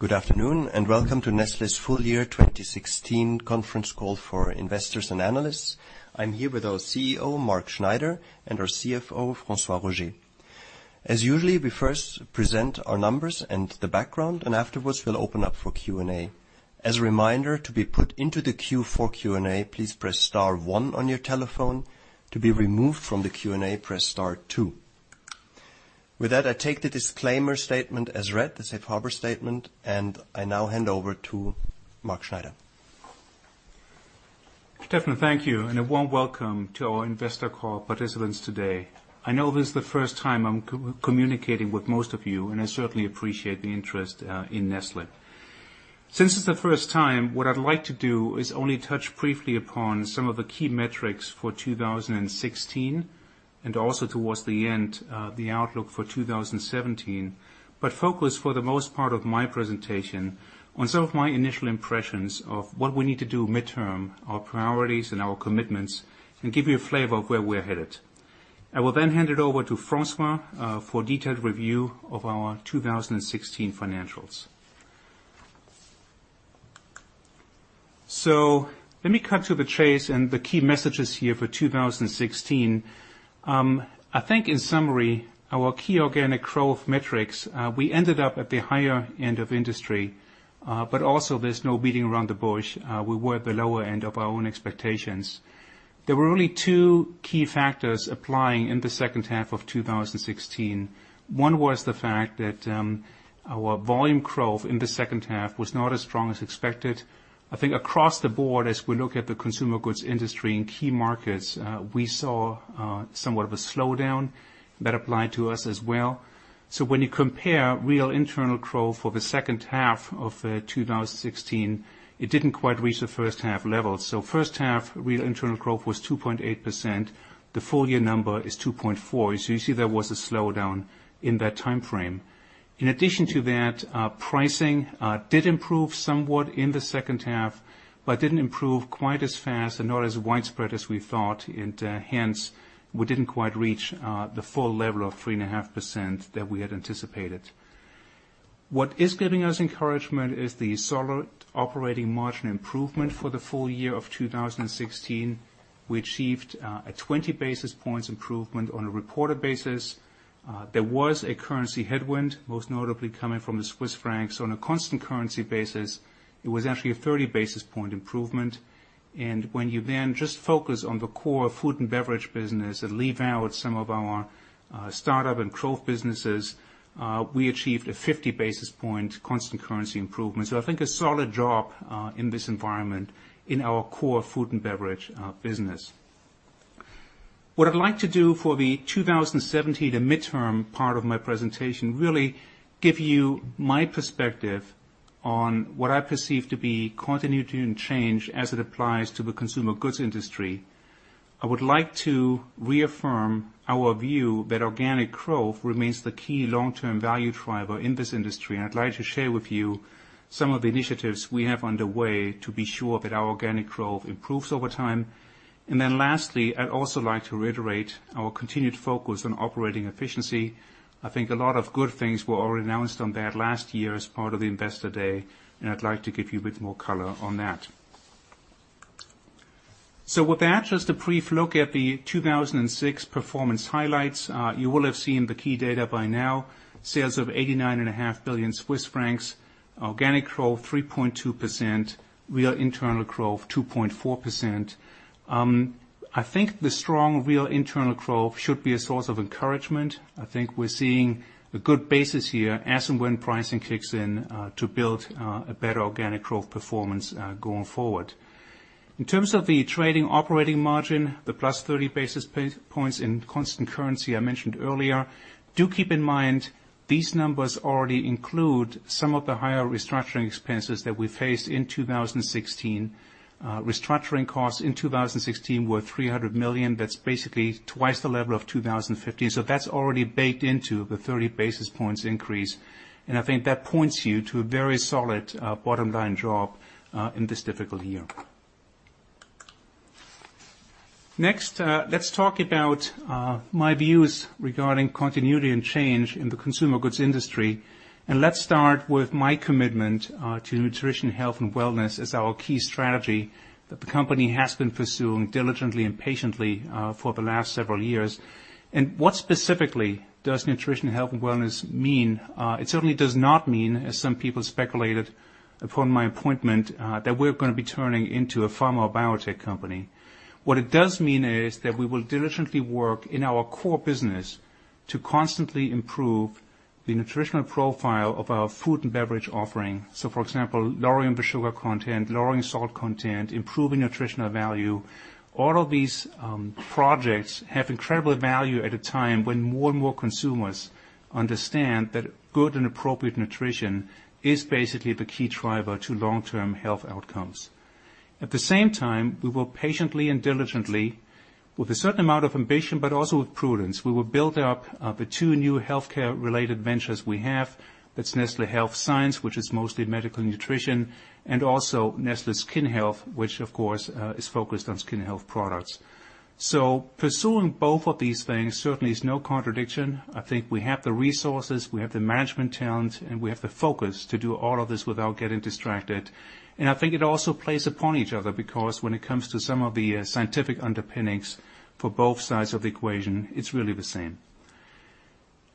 Welcome to Nestlé's full year 2016 conference call for investors and analysts. I'm here with our CEO, Mark Schneider, and our CFO, François Roger. As usually, we first present our numbers and the background. Afterwards, we'll open up for Q&A. As a reminder, to be put into the queue for Q&A, please press star one on your telephone. To be removed from the Q&A, press star two. With that, I take the disclaimer statement as read, the safe harbor statement. I now hand over to Mark Schneider. Steffen, thank you. A warm welcome to our investor call participants today. I know this is the first time I'm communicating with most of you. I certainly appreciate the interest in Nestlé. Since it's the first time, what I'd like to do is only touch briefly upon some of the key metrics for 2016. Also towards the end, the outlook for 2017. Focus for the most part of my presentation on some of my initial impressions of what we need to do midterm, our priorities and our commitments, and give you a flavor of where we're headed. I will hand it over to François for a detailed review of our 2016 financials. Let me cut to the chase and the key messages here for 2016. I think in summary, our key organic growth metrics, we ended up at the higher end of industry. Also, there's no beating around the bush. We were at the lower end of our own expectations. There were only two key factors applying in the second half of 2016. One was the fact that our volume growth in the second half was not as strong as expected. I think across the board, as we look at the consumer goods industry in key markets, we saw somewhat of a slowdown that applied to us as well. When you compare real internal growth for the second half of 2016, it didn't quite reach the first half level. First half, real internal growth was 2.8%. The full year number is 2.4%. You see there was a slowdown in that time frame. In addition to that, pricing did improve somewhat in the second half. Didn't improve quite as fast and not as widespread as we thought. Hence, we didn't quite reach the full level of 3.5% that we had anticipated. What is giving us encouragement is the solid operating margin improvement for the full year of 2016. We achieved a 20 basis points improvement on a reported basis. There was a currency headwind, most notably coming from the Swiss francs. On a constant currency basis, it was actually a 30 basis point improvement. When you just focus on the core food and beverage business and leave out some of our startup and growth businesses, we achieved a 50 basis point constant currency improvement. I think a solid job in this environment in our core food and beverage business. What I'd like to do for the 2017 to midterm part of my presentation, really give you my perspective on what I perceive to be continuity and change as it applies to the consumer goods industry. I would like to reaffirm our view that organic growth remains the key long-term value driver in this industry, and I'd like to share with you some of the initiatives we have underway to be sure that our organic growth improves over time. Lastly, I'd also like to reiterate our continued focus on operating efficiency. I think a lot of good things were already announced on that last year as part of the investor day, and I'd like to give you a bit more color on that. With that, just a brief look at the 2006 performance highlights. You will have seen the key data by now. Sales of 89.5 billion Swiss francs, organic growth 3.2%, real internal growth 2.4%. I think the strong real internal growth should be a source of encouragement. I think we're seeing a good basis here as and when pricing kicks in to build a better organic growth performance going forward. In terms of the trading operating margin, the +30 basis points in constant currency I mentioned earlier. Do keep in mind, these numbers already include some of the higher restructuring expenses that we faced in 2016. Restructuring costs in 2016 were 300 million. That's basically twice the level of 2015. That's already baked into the 30 basis points increase, and I think that points you to a very solid bottom-line job in this difficult year. Let's talk about my views regarding continuity and change in the consumer goods industry, and let's start with my commitment to nutrition, health, and wellness as our key strategy that the company has been pursuing diligently and patiently for the last several years. What specifically does nutrition, health, and wellness mean? It certainly does not mean, as some people speculated upon my appointment, that we're going to be turning into a pharma biotech company. What it does mean is that we will diligently work in our core business to constantly improve the nutritional profile of our food and beverage offering. For example, lowering the sugar content, lowering salt content, improving nutritional value. All of these projects have incredible value at a time when more and more consumers understand that good and appropriate nutrition is basically the key driver to long-term health outcomes. At the same time, we will patiently and diligently, with a certain amount of ambition, but also with prudence, we will build up the two new healthcare-related ventures we have. That's Nestlé Health Science, which is mostly medical nutrition, and also Nestlé Skin Health, which of course, is focused on skin health products. Pursuing both of these things certainly is no contradiction. I think we have the resources, we have the management talent, and we have the focus to do all of this without getting distracted. I think it also plays upon each other because when it comes to some of the scientific underpinnings for both sides of the equation, it's really the same.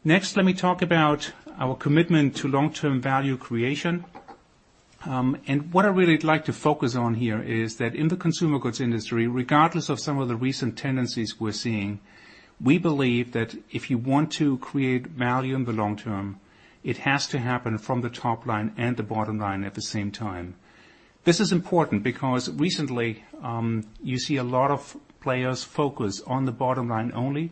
Let me talk about our commitment to long-term value creation. What I really like to focus on here is that in the consumer goods industry, regardless of some of the recent tendencies we're seeing, we believe that if you want to create value in the long term, it has to happen from the top line and the bottom line at the same time. This is important because recently, you see a lot of players focus on the bottom line only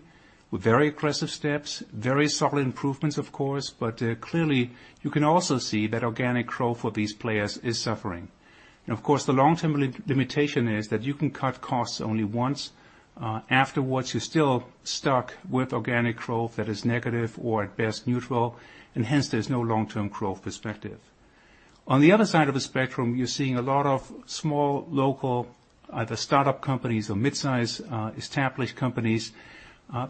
with very aggressive steps, very solid improvements, of course, but clearly, you can also see that organic growth for these players is suffering. Of course, the long-term limitation is that you can cut costs only once. Afterwards, you're still stuck with organic growth that is negative or at best neutral, and hence there's no long-term growth perspective. On the other side of the spectrum, you're seeing a lot of small, local, either startup companies or mid-size established companies,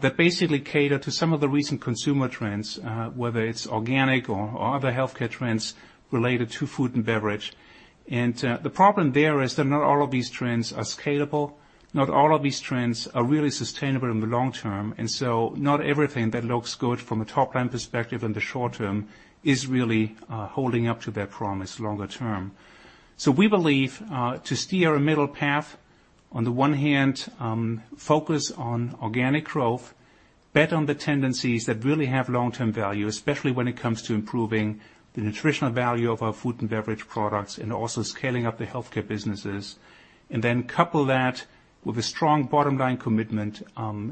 that basically cater to some of the recent consumer trends, whether it's organic or other healthcare trends related to food and beverage. The problem there is that not all of these trends are scalable. Not all of these trends are really sustainable in the long term. Not everything that looks good from a top-line perspective in the short term is really holding up to that promise longer term. We believe to steer a middle path, on the one hand, focus on organic growth, bet on the tendencies that really have long-term value, especially when it comes to improving the nutritional value of our food and beverage products and also scaling up the healthcare businesses, then couple that with a strong bottom-line commitment,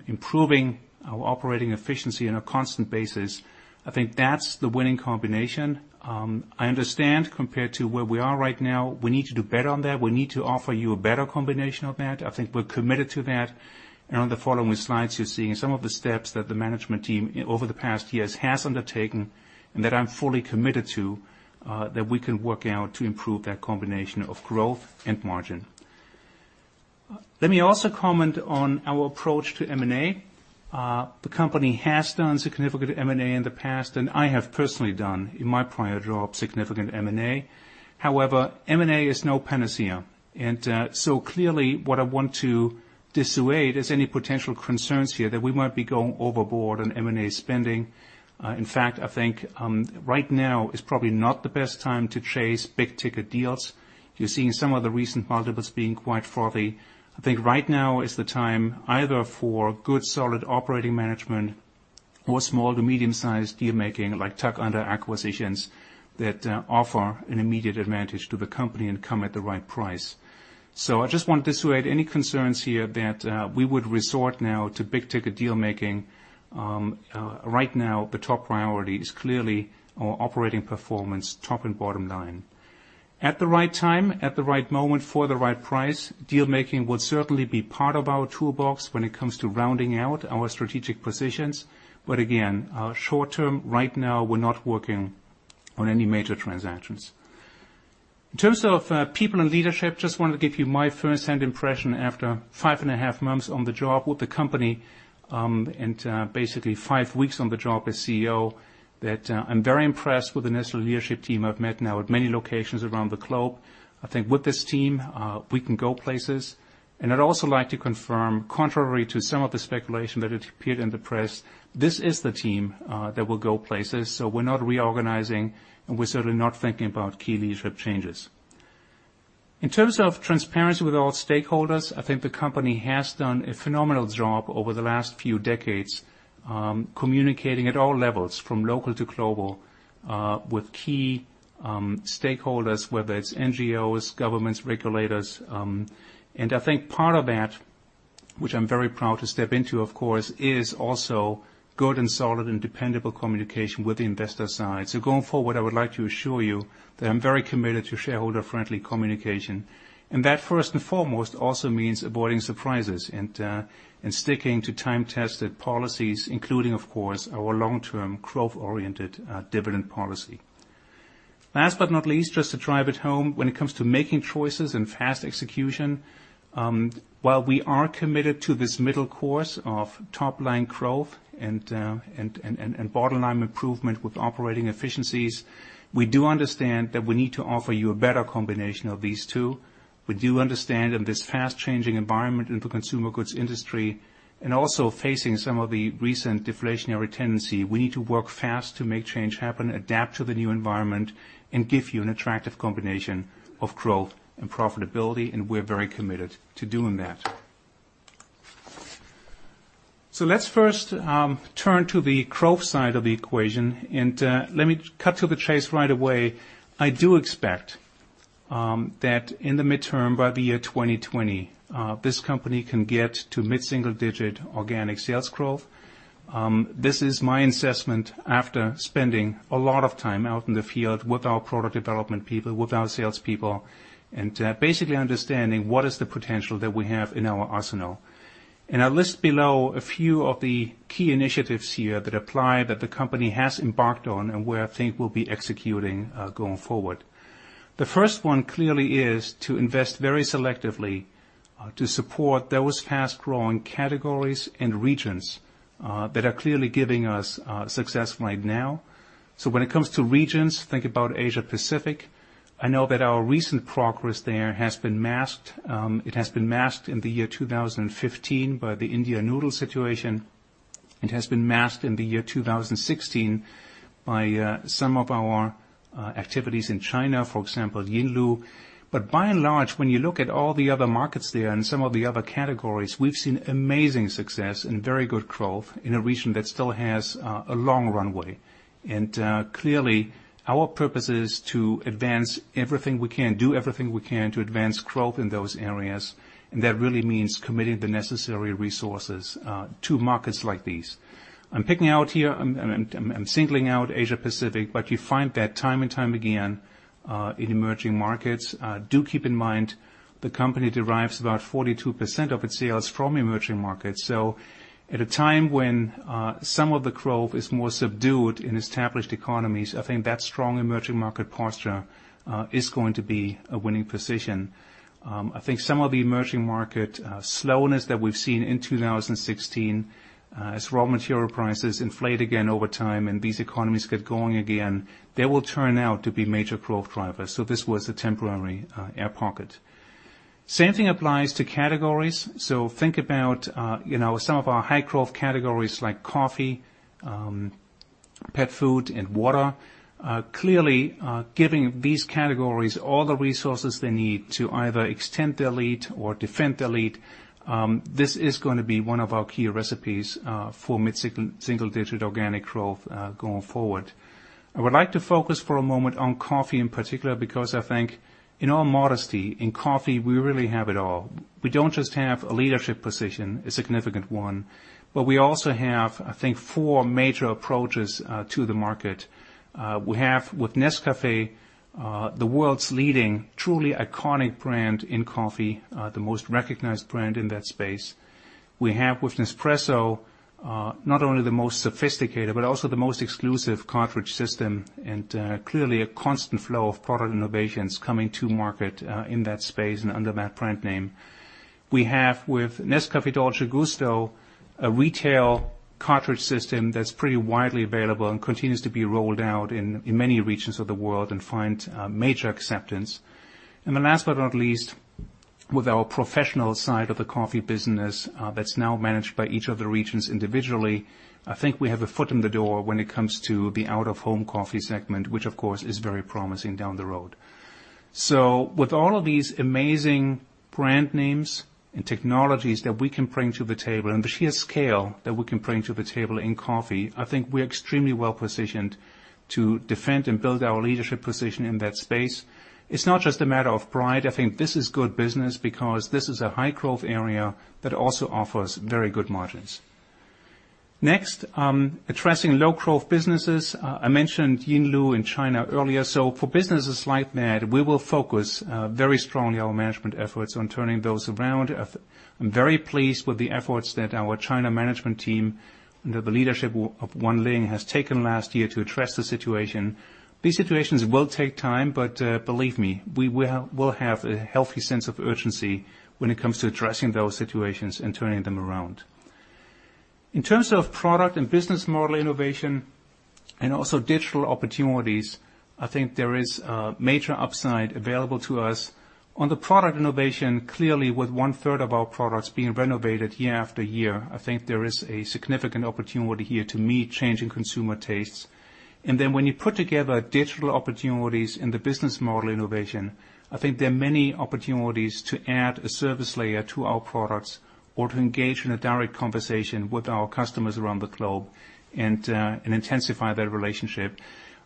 improving our operating efficiency on a constant basis. I think that's the winning combination. I understand compared to where we are right now, we need to do better on that. We need to offer you a better combination of that. I think we're committed to that. On the following slides, you're seeing some of the steps that the management team over the past years has undertaken and that I'm fully committed to, that we can work out to improve that combination of growth and margin. Let me also comment on our approach to M&A. The company has done significant M&A in the past, and I have personally done, in my prior job, significant M&A. However, M&A is no panacea. Clearly what I want to dissuade is any potential concerns here that we might be going overboard on M&A spending. In fact, I think right now is probably not the best time to chase big-ticket deals. You're seeing some of the recent multiples being quite frothy. I think right now is the time either for good solid operating management or small to medium-sized deal-making like tuck-under acquisitions that offer an immediate advantage to the company and come at the right price. I just want to dissuade any concerns here that we would resort now to big-ticket deal-making. Right now, the top priority is clearly our operating performance, top and bottom line. At the right time, at the right moment, for the right price, deal-making would certainly be part of our toolbox when it comes to rounding out our strategic positions. Again, short term, right now, we're not working on any major transactions. In terms of people and leadership, just wanted to give you my first-hand impression after five and a half months on the job with the company, and basically five weeks on the job as CEO, that I'm very impressed with the Nestlé leadership team I've met now at many locations around the globe. I think with this team, we can go places. I'd also like to confirm, contrary to some of the speculation that it appeared in the press, this is the team that will go places. We're not reorganizing, and we're certainly not thinking about key leadership changes. In terms of transparency with all stakeholders, I think the company has done a phenomenal job over the last few decades communicating at all levels, from local to global, with key stakeholders, whether it's NGOs, governments, regulators. I think part of that, which I'm very proud to step into, of course, is also good and solid and dependable communication with the investor side. Going forward, I would like to assure you that I'm very committed to shareholder-friendly communication. That, first and foremost, also means avoiding surprises and sticking to time-tested policies, including, of course, our long-term growth-oriented dividend policy. Last but not least, just to drive it home, when it comes to making choices and fast execution, while we are committed to this middle course of top-line growth and bottom-line improvement with operating efficiencies, we do understand that we need to offer you a better combination of these two. We do understand in this fast-changing environment in the consumer goods industry and also facing some of the recent deflationary tendency, we need to work fast to make change happen, adapt to the new environment, and give you an attractive combination of growth and profitability, and we're very committed to doing that. Let's first turn to the growth side of the equation, and let me cut to the chase right away. I do expect that in the midterm, by the year 2020, this company can get to mid-single digit organic sales growth. This is my assessment after spending a lot of time out in the field with our product development people, with our salespeople, and basically understanding what is the potential that we have in our arsenal. I list below a few of the key initiatives here that apply that the company has embarked on and where I think we'll be executing going forward. The first one clearly is to invest very selectively to support those fast-growing categories and regions that are clearly giving us success right now. When it comes to regions, think about Asia-Pacific. I know that our recent progress there has been masked. It has been masked in the year 2015 by the India noodle situation. It has been masked in the year 2016 by some of our activities in China, for example, Yinlu. By and large, when you look at all the other markets there and some of the other categories, we've seen amazing success and very good growth in a region that still has a long runway. Clearly, our purpose is to advance everything we can, do everything we can to advance growth in those areas, and that really means committing the necessary resources to markets like these. I'm picking out here, I'm singling out Asia-Pacific, but you find that time and time again, in emerging markets. Do keep in mind, the company derives about 42% of its sales from emerging markets. At a time when some of the growth is more subdued in established economies, I think that strong emerging market posture is going to be a winning position. I think some of the emerging market slowness that we've seen in 2016, as raw material prices inflate again over time and these economies get going again, they will turn out to be major growth drivers. This was a temporary air pocket. Same thing applies to categories. Think about some of our high-growth categories like coffee, pet food, and water. Clearly, giving these categories all the resources they need to either extend their lead or defend their lead, this is going to be one of our key recipes for mid-single digit organic growth going forward. I would like to focus for a moment on coffee in particular, because I think, in all modesty, in coffee, we really have it all. We don't just have a leadership position, a significant one, but we also have, I think, four major approaches to the market. We have, with Nescafé, the world's leading, truly iconic brand in coffee, the most recognized brand in that space. We have with Nespresso, not only the most sophisticated, but also the most exclusive cartridge system, and clearly a constant flow of product innovations coming to market in that space and under that brand name. We have with Nescafé Dolce Gusto, a retail cartridge system that's pretty widely available and continues to be rolled out in many regions of the world and find major acceptance. Last but not least, with our professional side of the coffee business that's now managed by each of the regions individually, I think we have a foot in the door when it comes to the out-of-home coffee segment, which of course is very promising down the road. With all of these amazing brand names and technologies that we can bring to the table, and the sheer scale that we can bring to the table in coffee, I think we're extremely well-positioned to defend and build our leadership position in that space. It's not just a matter of pride. I think this is good business because this is a high-growth area that also offers very good margins. Next, addressing low-growth businesses. I mentioned Yinlu in China earlier. For businesses like that, we will focus very strongly our management efforts on turning those around. I'm very pleased with the efforts that our China management team, under the leadership of Wan Ling, has taken last year to address the situation. These situations will take time, but believe me, we will have a healthy sense of urgency when it comes to addressing those situations and turning them around. In terms of product and business model innovation and also digital opportunities, I think there is a major upside available to us. On the product innovation, clearly with one-third of our products being renovated year after year, I think there is a significant opportunity here to meet changing consumer tastes. When you put together digital opportunities in the business model innovation, I think there are many opportunities to add a service layer to our products or to engage in a direct conversation with our customers around the globe and intensify that relationship.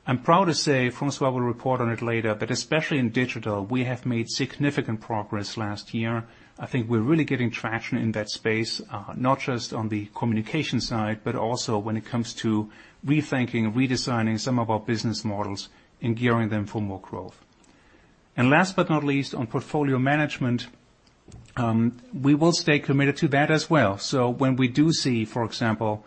I'm proud to say, François will report on it later, especially in digital, we have made significant progress last year. I think we're really getting traction in that space, not just on the communication side, also when it comes to rethinking and redesigning some of our business models and gearing them for more growth. Last but not least, on portfolio management, we will stay committed to that as well. When we do see, for example,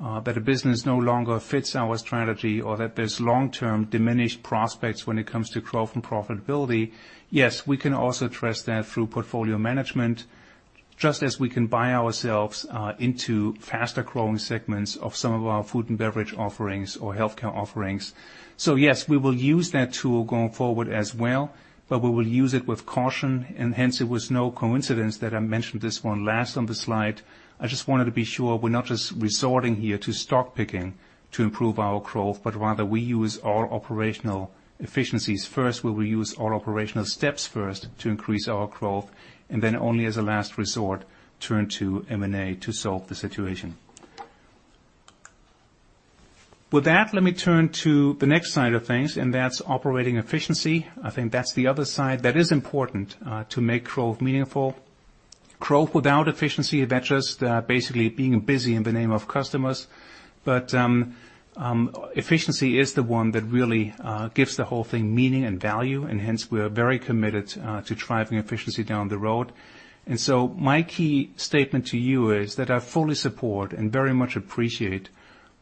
that a business no longer fits our strategy or that there's long-term diminished prospects when it comes to growth and profitability, yes, we can also address that through portfolio management, just as we can buy ourselves into faster-growing segments of some of our food and beverage offerings or healthcare offerings. Yes, we will use that tool going forward as well, we will use it with caution, and hence it was no coincidence that I mentioned this one last on the slide. I just wanted to be sure we're not just resorting here to stock picking to improve our growth, rather we use our operational efficiencies first, where we use our operational steps first to increase our growth, only as a last resort, turn to M&A to solve the situation. With that, let me turn to the next side of things, that's operating efficiency. I think that's the other side that is important to make growth meaningful. Growth without efficiency, that's just basically being busy in the name of customers. Efficiency is the one that really gives the whole thing meaning and value, and hence we are very committed to driving efficiency down the road. My key statement to you is that I fully support and very much appreciate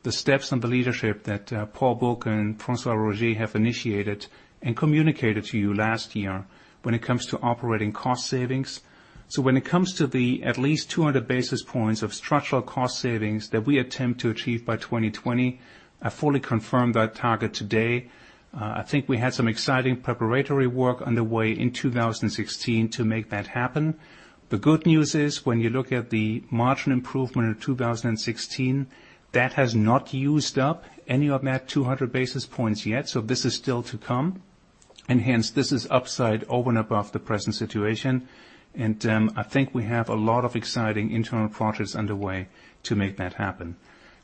the steps and the leadership that Paul Bulcke and François Roger have initiated and communicated to you last year when it comes to operating cost savings. When it comes to the at least 200 basis points of structural cost savings that we attempt to achieve by 2020, I fully confirm that target today. I think we had some exciting preparatory work underway in 2016 to make that happen. The good news is, when you look at the margin improvement in 2016, that has not used up any of that 200 basis points yet, this is still to come, this is upside over and above the present situation. I think we have a lot of exciting internal projects underway to make that happen.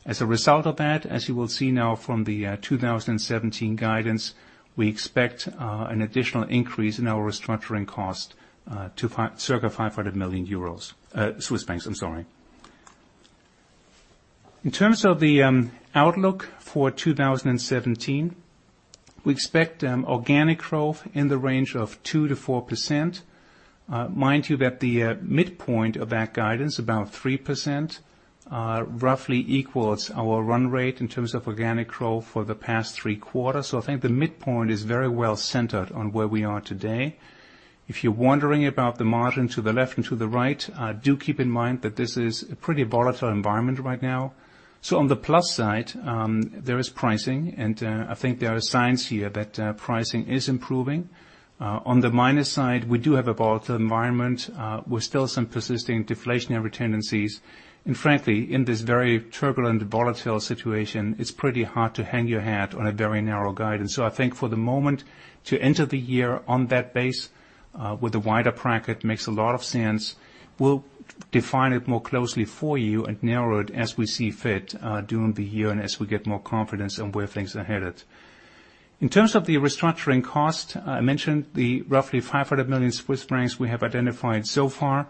As a result of that, as you will see now from the 2017 guidance, we expect an additional increase in our restructuring cost to circa CHF 500 million. I'm sorry. In terms of the outlook for 2017, we expect organic growth in the range of 2%-4%. Mind you that the midpoint of that guidance, about 3%, roughly equals our run rate in terms of organic growth for the past three quarters. I think the midpoint is very well centered on where we are today. If you're wondering about the margin to the left and to the right, do keep in mind that this is a pretty volatile environment right now. On the plus side, there is pricing, and I think there are signs here that pricing is improving. On the minus side, we do have a volatile environment with still some persisting deflationary tendencies. Frankly, in this very turbulent, volatile situation, it's pretty hard to hang your hat on a very narrow guidance. I think for the moment, to enter the year on that base with a wider bracket makes a lot of sense. We'll define it more closely for you and narrow it as we see fit during the year and as we get more confidence in where things are headed. In terms of the restructuring cost, I mentioned the roughly 500 million Swiss francs we have identified so far.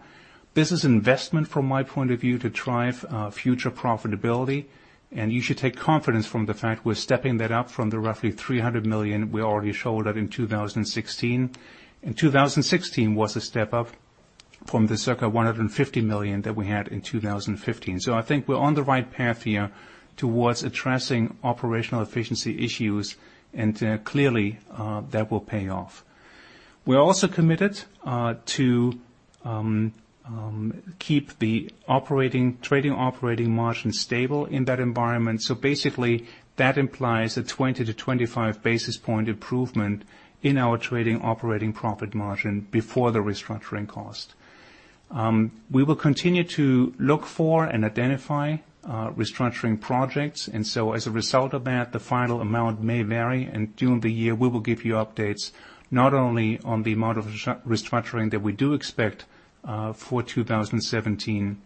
This is investment from my point of view to drive future profitability, and you should take confidence from the fact we're stepping that up from the roughly 300 million we already showed at in 2016. 2016 was a step up from the circa 150 million that we had in 2015. I think we're on the right path here towards addressing operational efficiency issues, and clearly, that will pay off. We're also committed to keep the trading operating margin stable in that environment. Basically, that implies a 20-25 basis point improvement in our trading operating profit margin before the restructuring cost. We will continue to look for and identify restructuring projects. As a result of that, the final amount may vary, and during the year, we will give you updates, not only on the amount of restructuring that we do expect for 2017,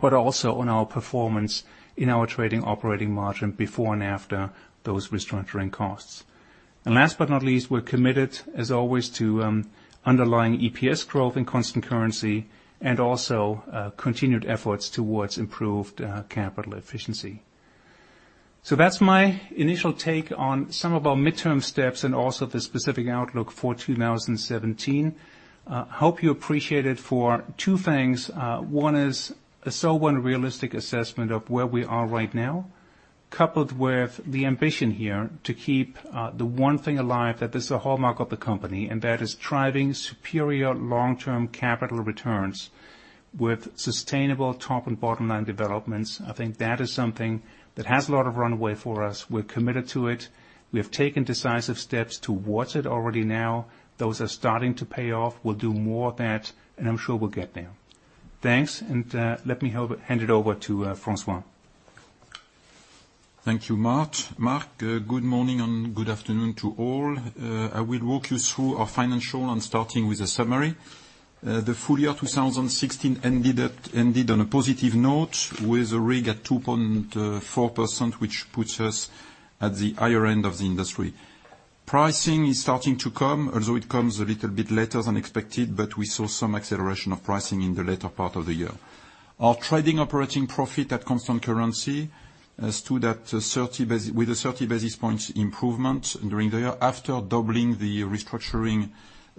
but also on our performance in our trading operating margin before and after those restructuring costs. Last but not least, we're committed, as always, to underlying EPS growth in constant currency and also continued efforts towards improved capital efficiency. That's my initial take on some of our midterm steps and also the specific outlook for 2017. Hope you appreciate it for two things. One is a sober and realistic assessment of where we are right now, coupled with the ambition here to keep the one thing alive that is a hallmark of the company, and that is driving superior long-term capital returns with sustainable top and bottom line developments. I think that is something that has a lot of runway for us. We're committed to it. We have taken decisive steps towards it already now. Those are starting to pay off. We'll do more of that, and I'm sure we'll get there. Thanks, let me hand it over to François. Thank you, Mark. Good morning and good afternoon to all. I will walk you through our financial, starting with a summary. The full year 2016 ended on a positive note with a RIG at 2.4%, which puts us at the higher end of the industry. Pricing is starting to come, although it comes a little bit later than expected, we saw some acceleration of pricing in the later part of the year. Our trading operating profit at constant currency stood with a 30 basis points improvement during the year after doubling the restructuring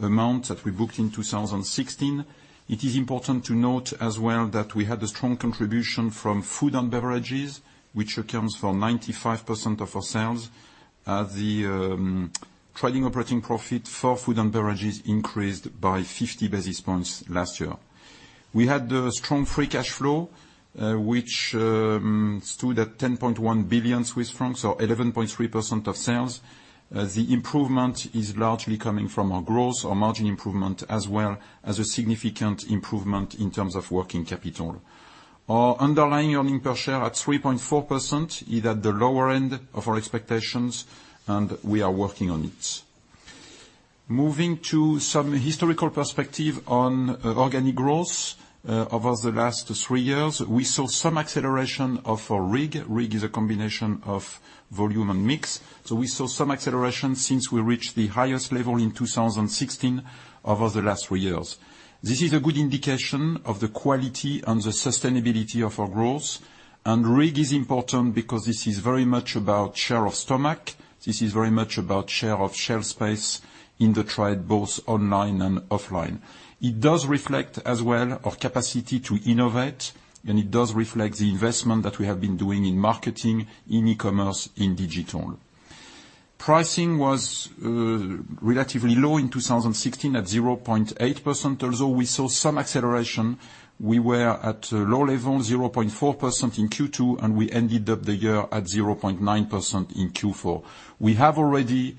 amount that we booked in 2016. It is important to note as well that we had a strong contribution from food and beverages, which accounts for 95% of our sales. The trading operating profit for food and beverages increased by 50 basis points last year. We had a strong free cash flow, which stood at 10.1 billion Swiss francs, or 11.3% of sales. The improvement is largely coming from our growth, our margin improvement, as well as a significant improvement in terms of working capital. Our underlying earnings per share at 3.4% is at the lower end of our expectations, we are working on it. Moving to some historical perspective on organic growth over the last three years, we saw some acceleration of our RIG. RIG is a combination of volume and mix. We saw some acceleration since we reached the highest level in 2016 over the last three years. This is a good indication of the quality and the sustainability of our growth. RIG is important because this is very much about share of stomach, this is very much about share of shelf space in the trade, both online and offline. It does reflect as well our capacity to innovate, it does reflect the investment that we have been doing in marketing, in e-commerce, in digital. Pricing was relatively low in 2016 at 0.8%. Although we saw some acceleration, we were at low level, 0.4% in Q2, we ended up the year at 0.9% in Q4. We have already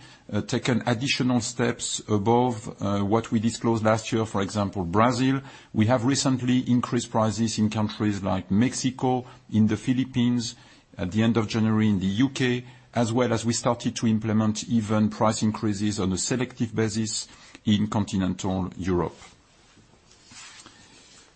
taken additional steps above what we disclosed last year. For example, Brazil. We have recently increased prices in countries like Mexico, in the Philippines, at the end of January in the U.K., as well as we started to implement even price increases on a selective basis in Continental Europe.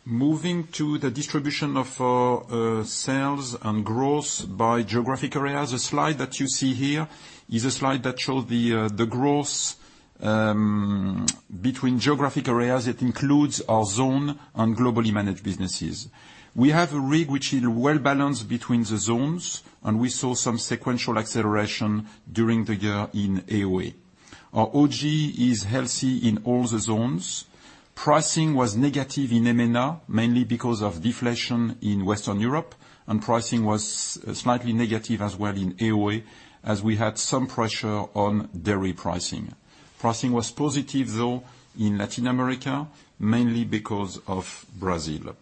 Moving to the distribution of our sales and growth by geographic areas. The slide that you see here is a slide that shows the growth between geographic areas. It includes our zone and globally managed businesses. We have a RIG which is well-balanced between the zones, we saw some sequential acceleration during the year in AOA. Our OG is healthy in all the zones. Pricing was negative in MENA, mainly because of deflation in Western Europe, pricing was slightly negative as well in AOA, as we had some pressure on dairy pricing. Pricing was positive, though, in Latin America, mainly because of Brazil.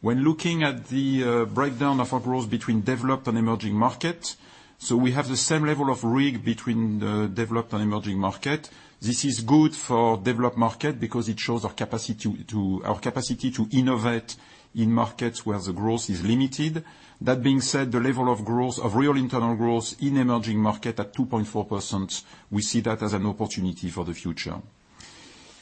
When looking at the breakdown of our growth between developed and emerging markets, we have the same level of RIG between the developed and emerging market. This is good for developed market because it shows our capacity to innovate in markets where the growth is limited. That being said, the level of growth of real internal growth in emerging market at 2.4%, we see that as an opportunity for the future.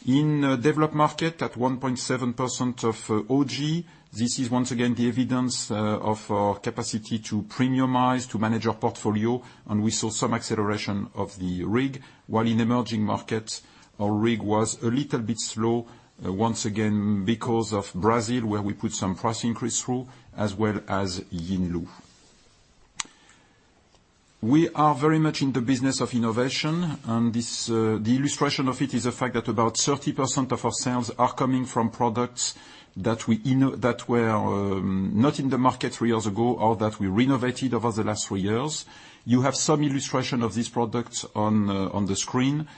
In developed market, at 1.7% of OG, this is once again the evidence of our capacity to premiumize, to manage our portfolio, and we saw some acceleration of the RIG, while in emerging markets, our RIG was a little bit slow, once again, because of Brazil, where we put some price increase through, as well as Yinlu. We are very much in the business of innovation, and the illustration of it is the fact that about 30% of our sales are coming from products that were not in the market three years ago or that we renovated over the last three years. You have some illustration of these products on the screen.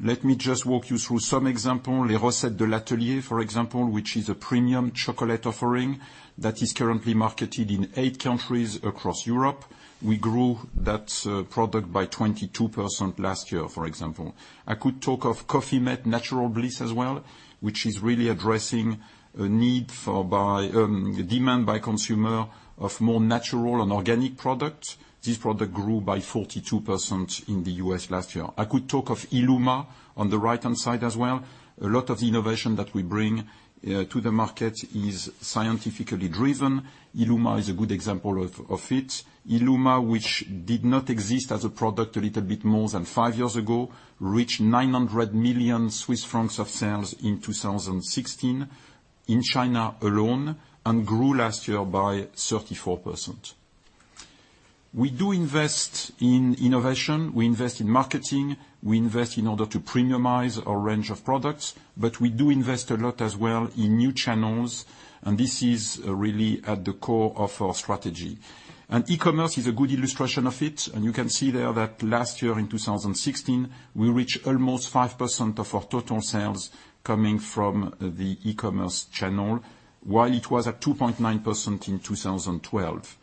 Let me just walk you through some example. Les Recettes de l'Atelier, for example, which is a premium chocolate offering that is currently marketed in eight countries across Europe. We grew that product by 22% last year, for example. I could talk of Coffee-mate natural bliss as well, which is really addressing a demand by consumer of more natural and organic product. This product grew by 42% in the U.S. last year. I could talk of Illuma on the right-hand side as well. A lot of the innovation that we bring to the market is scientifically driven. Illuma is a good example of it. Illuma, which did not exist as a product a little bit more than five years ago, reached 900 million Swiss francs of sales in 2016 in China alone and grew last year by 34%. We do invest in innovation, we invest in marketing, we invest in order to premiumize our range of products, but we do invest a lot as well in new channels, and this is really at the core of our strategy. E-commerce is a good illustration of it, and you can see there that last year in 2016, we reached almost 5% of our total sales coming from the e-commerce channel, while it was at 2.9% in 2012.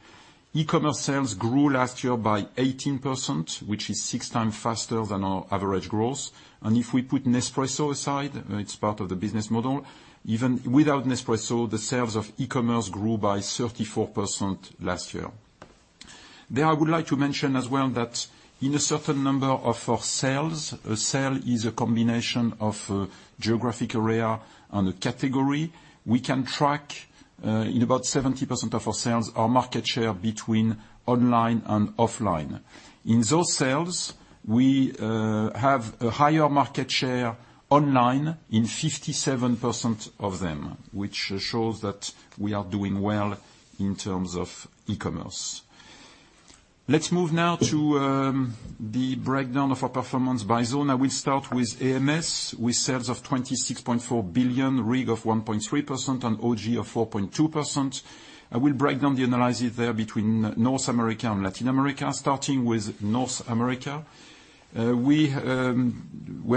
E-commerce sales grew last year by 18%, which is six times faster than our average growth. If we put Nespresso aside, it's part of the business model. Even without Nespresso, the sales of e-commerce grew by 34% last year. I would like to mention as well that in a certain number of our sales, a sale is a combination of a geographic area and a category. We can track in about 70% of our sales our market share between online and offline. In those sales, we have a higher market share online in 57% of them, which shows that we are doing well in terms of e-commerce. Let's move now to the breakdown of our performance by zone. I will start with AMS, with sales of 26.4 billion, RIG of 1.3%, and OG of 4.2%. I will break down the analysis there between North America and Latin America, starting with North America. We're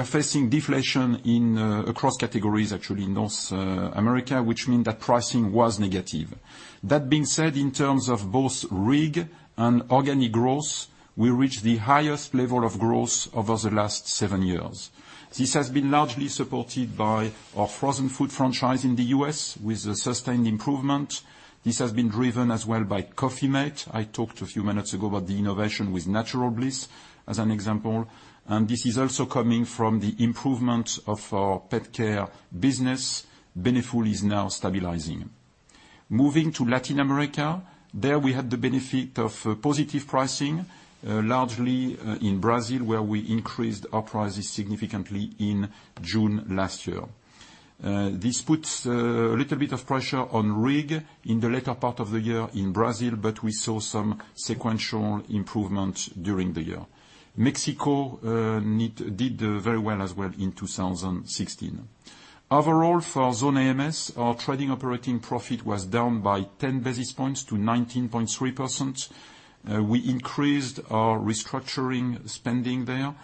facing deflation across categories, actually, in North America, which mean that pricing was negative. That being said, in terms of both RIG and organic growth, we reached the highest level of growth over the last seven years. This has been largely supported by our frozen food franchise in the U.S. with a sustained improvement. This has been driven as well by Coffee-mate. I talked a few minutes ago about the innovation with natural bliss as an example, and this is also coming from the improvement of our pet care business. Beneful is now stabilizing. Moving to Latin America. There we had the benefit of positive pricing, largely in Brazil where we increased our prices significantly in June last year. This puts a little bit of pressure on RIG in the latter part of the year in Brazil, but we saw some sequential improvement during the year. Mexico did very well as well in 2016. Overall, for zone AMS, our trading operating profit was down by 10 basis points to 19.3%. We increased our restructuring spending there.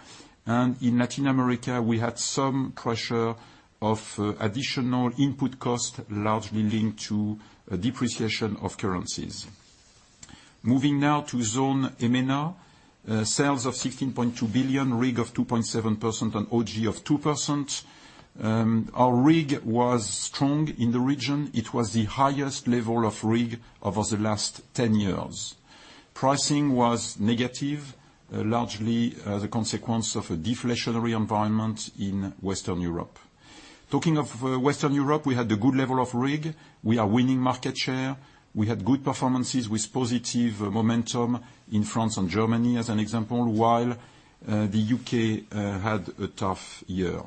In Latin America, we had some pressure of additional input costs, largely linked to depreciation of currencies. Moving now to zone EMENA. Sales of 16.2 billion, RIG of 2.7% and OG of 2%. Our RIG was strong in the region. It was the highest level of RIG over the last 10 years. Pricing was negative, largely the consequence of a deflationary environment in Western Europe. Talking of Western Europe, we had a good level of RIG. We are winning market share. We had good performances with positive momentum in France and Germany as an example, while the U.K. had a tough year.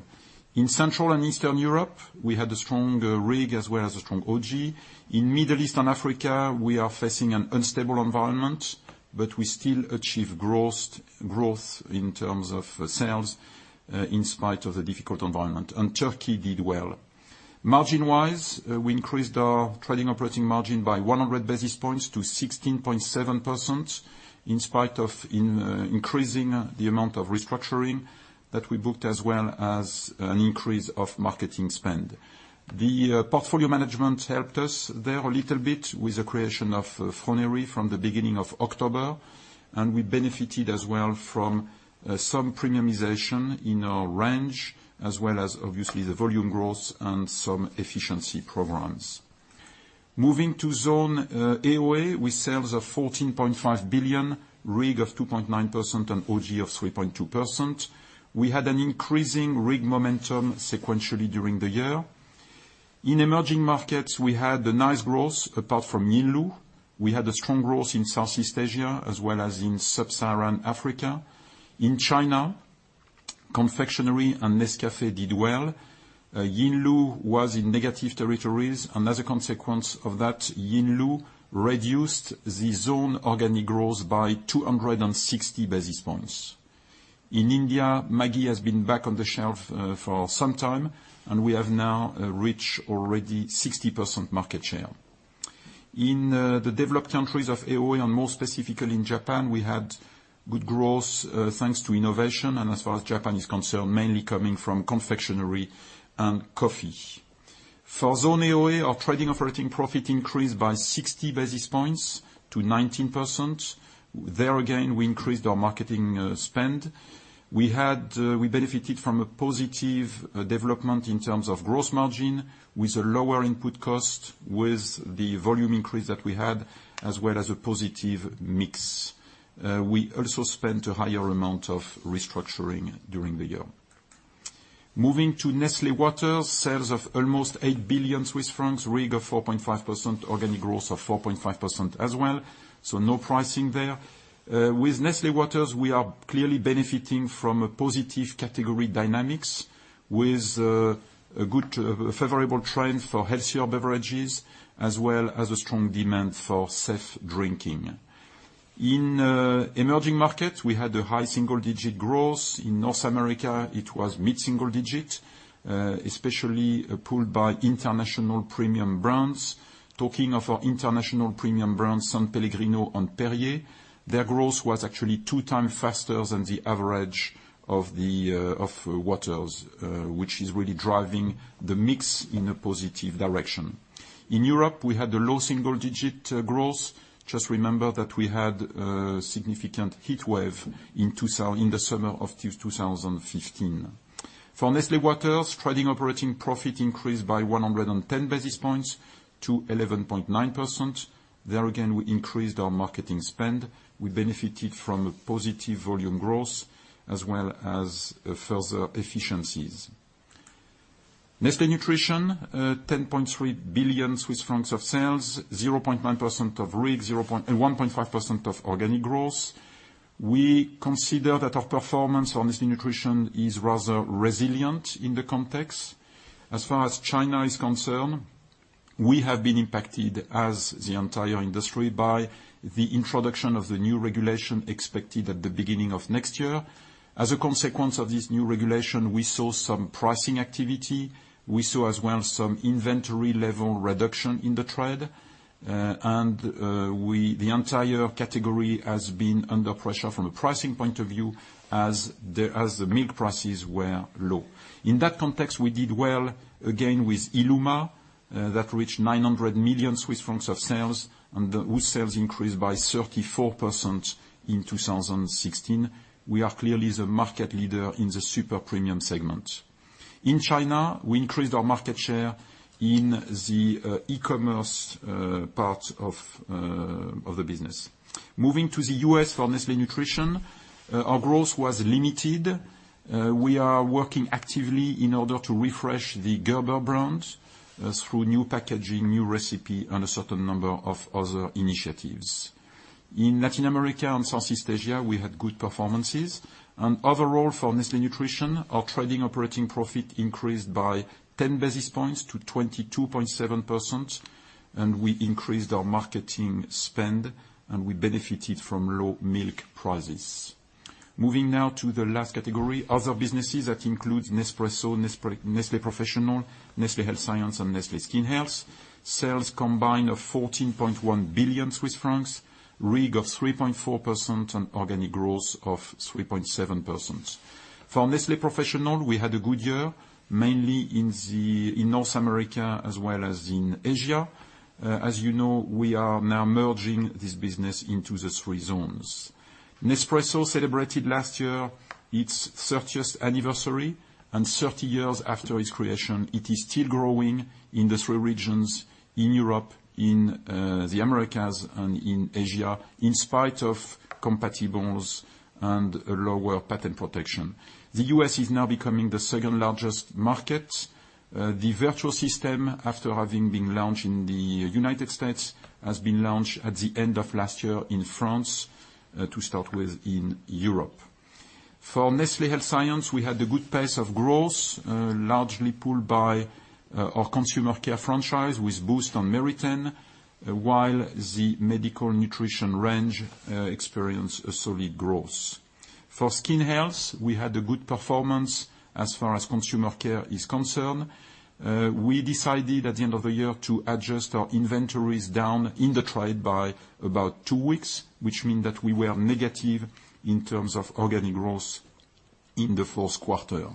In Central and Eastern Europe, we had a strong RIG as well as a strong OG. In Middle East and Africa, we are facing an unstable environment, but we still achieve growth in terms of sales in spite of the difficult environment. Turkey did well. Margin wise, we increased our trading operating margin by 100 basis points to 16.7%, in spite of increasing the amount of restructuring that we booked as well as an increase of marketing spend. The portfolio management helped us there a little bit with the creation of Froneri from the beginning of October. We benefited as well from some premiumization in our range as well as obviously the volume growth and some efficiency programs. Moving to zone AOA, with sales of 14.5 billion, RIG of 2.9% and OG of 3.2%. We had an increasing RIG momentum sequentially during the year. In emerging markets, we had a nice growth apart from Yinlu. We had a strong growth in Southeast Asia as well as in sub-Saharan Africa. In China, confectionery and Nescafé did well. Yinlu was in negative territories. As a consequence of that, Yinlu reduced the zone organic growth by 260 basis points. In India, Maggi has been back on the shelf for some time, and we have now reached already 60% market share. In the developed countries of AOA and more specifically in Japan, we had good growth thanks to innovation. As far as Japan is concerned, mainly coming from confectionery and coffee. For zone AOA, our trading operating profit increased by 60 basis points to 19%. There again, we increased our marketing spend. We benefited from a positive development in terms of growth margin with a lower input cost, with the volume increase that we had, as well as a positive mix. We also spent a higher amount of restructuring during the year. Moving to Nestlé Waters, sales of almost 8 billion Swiss francs, RIG of 4.5%, organic growth of 4.5% as well, so no pricing there. With Nestlé Waters, we are clearly benefiting from a positive category dynamics with a favorable trend for healthier beverages as well as a strong demand for safe drinking. In emerging markets, we had a high single-digit growth. In North America, it was mid-single digit, especially pulled by international premium brands. Talking of our international premium brands, S.Pellegrino and Perrier, their growth was actually two times faster than the average of waters, which is really driving the mix in a positive direction. In Europe, we had a low single-digit growth. Just remember that we had a significant heat wave in the summer of 2015. For Nestlé Waters, trading operating profit increased by 110 basis points to 11.9%. There again, we increased our marketing spend. We benefited from a positive volume growth as well as further efficiencies. Nestlé Nutrition, 10.3 billion Swiss francs of sales, 0.9% of RIG, and 1.5% of organic growth. We consider that our performance on Nestlé Nutrition is rather resilient in the context. As far as China is concerned, we have been impacted as the entire industry by the introduction of the new regulation expected at the beginning of next year. As a consequence of this new regulation, we saw some pricing activity. We saw as well some inventory level reduction in the trade. The entire category has been under pressure from a pricing point of view as the milk prices were low. In that context, we did well again with Illuma, that reached 900 million Swiss francs of sales, and whose sales increased by 34% in 2016. We are clearly the market leader in the super premium segment. In China, we increased our market share in the e-commerce part of the business. Moving to the U.S. for Nestlé Nutrition, our growth was limited. We are working actively in order to refresh the Gerber brand through new packaging, new recipe, and a certain number of other initiatives. In Latin America and Southeast Asia, we had good performances. Overall for Nestlé Nutrition, our trading operating profit increased by 10 basis points to 22.7%, and we increased our marketing spend, and we benefited from low milk prices. Moving now to the last category, other businesses, that includes Nespresso, Nestlé Professional, Nestlé Health Science, and Nestlé Skin Health. Sales combined of 14.1 billion Swiss francs, RIG of 3.4% and organic growth of 3.7%. For Nestlé Professional, we had a good year, mainly in North America as well as in Asia. As you know, we are now merging this business into the three zones. Nespresso celebrated last year its 30th anniversary. 30 years after its creation, it is still growing in the three regions, in Europe, in the Americas, and in Asia, in spite of compatibles and lower patent protection. The U.S. is now becoming the second-largest market. The Vertuo system, after having been launched in the United States, has been launched at the end of last year in France, to start with in Europe. For Nestlé Health Science, we had a good pace of growth, largely pulled by our consumer care franchise with BOOST on Meritene, while the medical nutrition range experienced a solid growth. For Skin Health, we had a good performance as far as consumer care is concerned. We decided at the end of the year to adjust our inventories down in the trade by about two weeks, which meant that we were negative in terms of organic growth in the fourth quarter.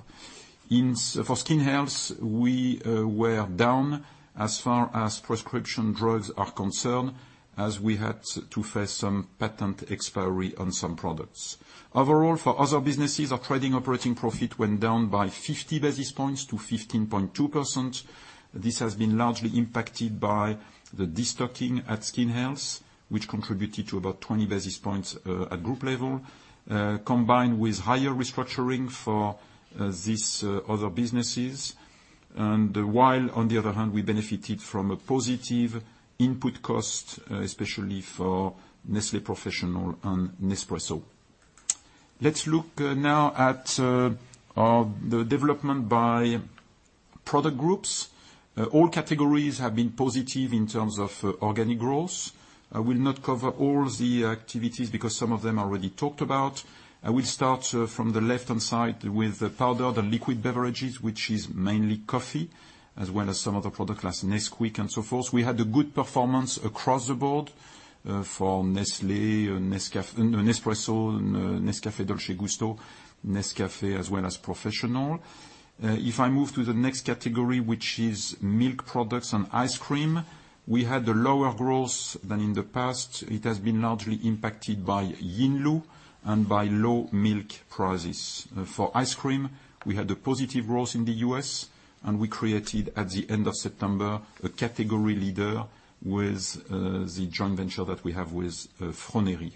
For Skin Health, we were down as far as prescription drugs are concerned, as we had to face some patent expiry on some products. Overall, for other businesses, our trading operating profit went down by 50 basis points to 15.2%. This has been largely impacted by the de-stocking at Skin Health, which contributed to about 20 basis points at group level, combined with higher restructuring for these other businesses. While on the other hand, we benefited from a positive input cost, especially for Nestlé Professional and Nespresso. Let's look now at the development by product groups. All categories have been positive in terms of organic growth. I will not cover all the activities because some of them are already talked about. I will start from the left-hand side with the powder, the liquid beverages, which is mainly coffee, as well as some other product classes, Nesquik and so forth. We had a good performance across the board for Nestlé, Nespresso, Nescafé Dolce Gusto, Nescafé, as well as Professional. If I move to the next category, which is milk products and ice cream, we had a lower growth than in the past. It has been largely impacted by Yinlu and by low milk prices. For ice cream, we had a positive growth in the U.S., and we created, at the end of September, a category leader with the joint venture that we have with Froneri.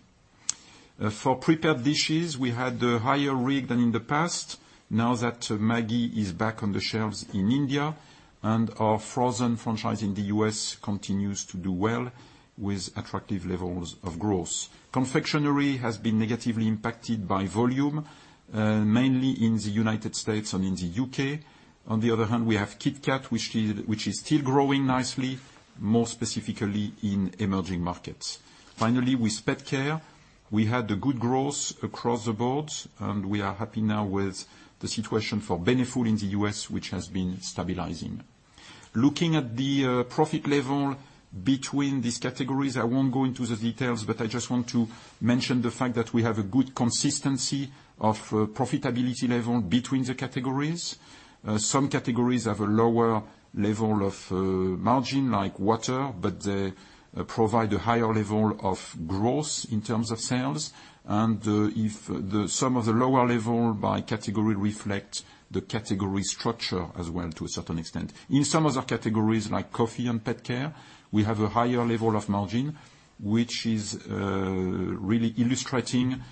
For prepared dishes, we had a higher RIG than in the past, now that Maggi is back on the shelves in India, and our frozen franchise in the U.S. continues to do well with attractive levels of growth. Confectionery has been negatively impacted by volume, mainly in the United States and in the U.K. On the other hand, we have KitKat, which is still growing nicely, more specifically in emerging markets. Finally, with pet care, we had a good growth across the board, and we are happy now with the situation for Beneful in the U.S., which has been stabilizing. Looking at the profit level between these categories, I won't go into the details, but I just want to mention the fact that we have a good consistency of profitability level between the categories. Some categories have a lower level of margin, like water, but they provide a higher level of growth in terms of sales, and if the sum of the lower level by category reflect the category structure as well to a certain extent. In some other categories like coffee and pet care, we have a higher level of margin, which is really illustrating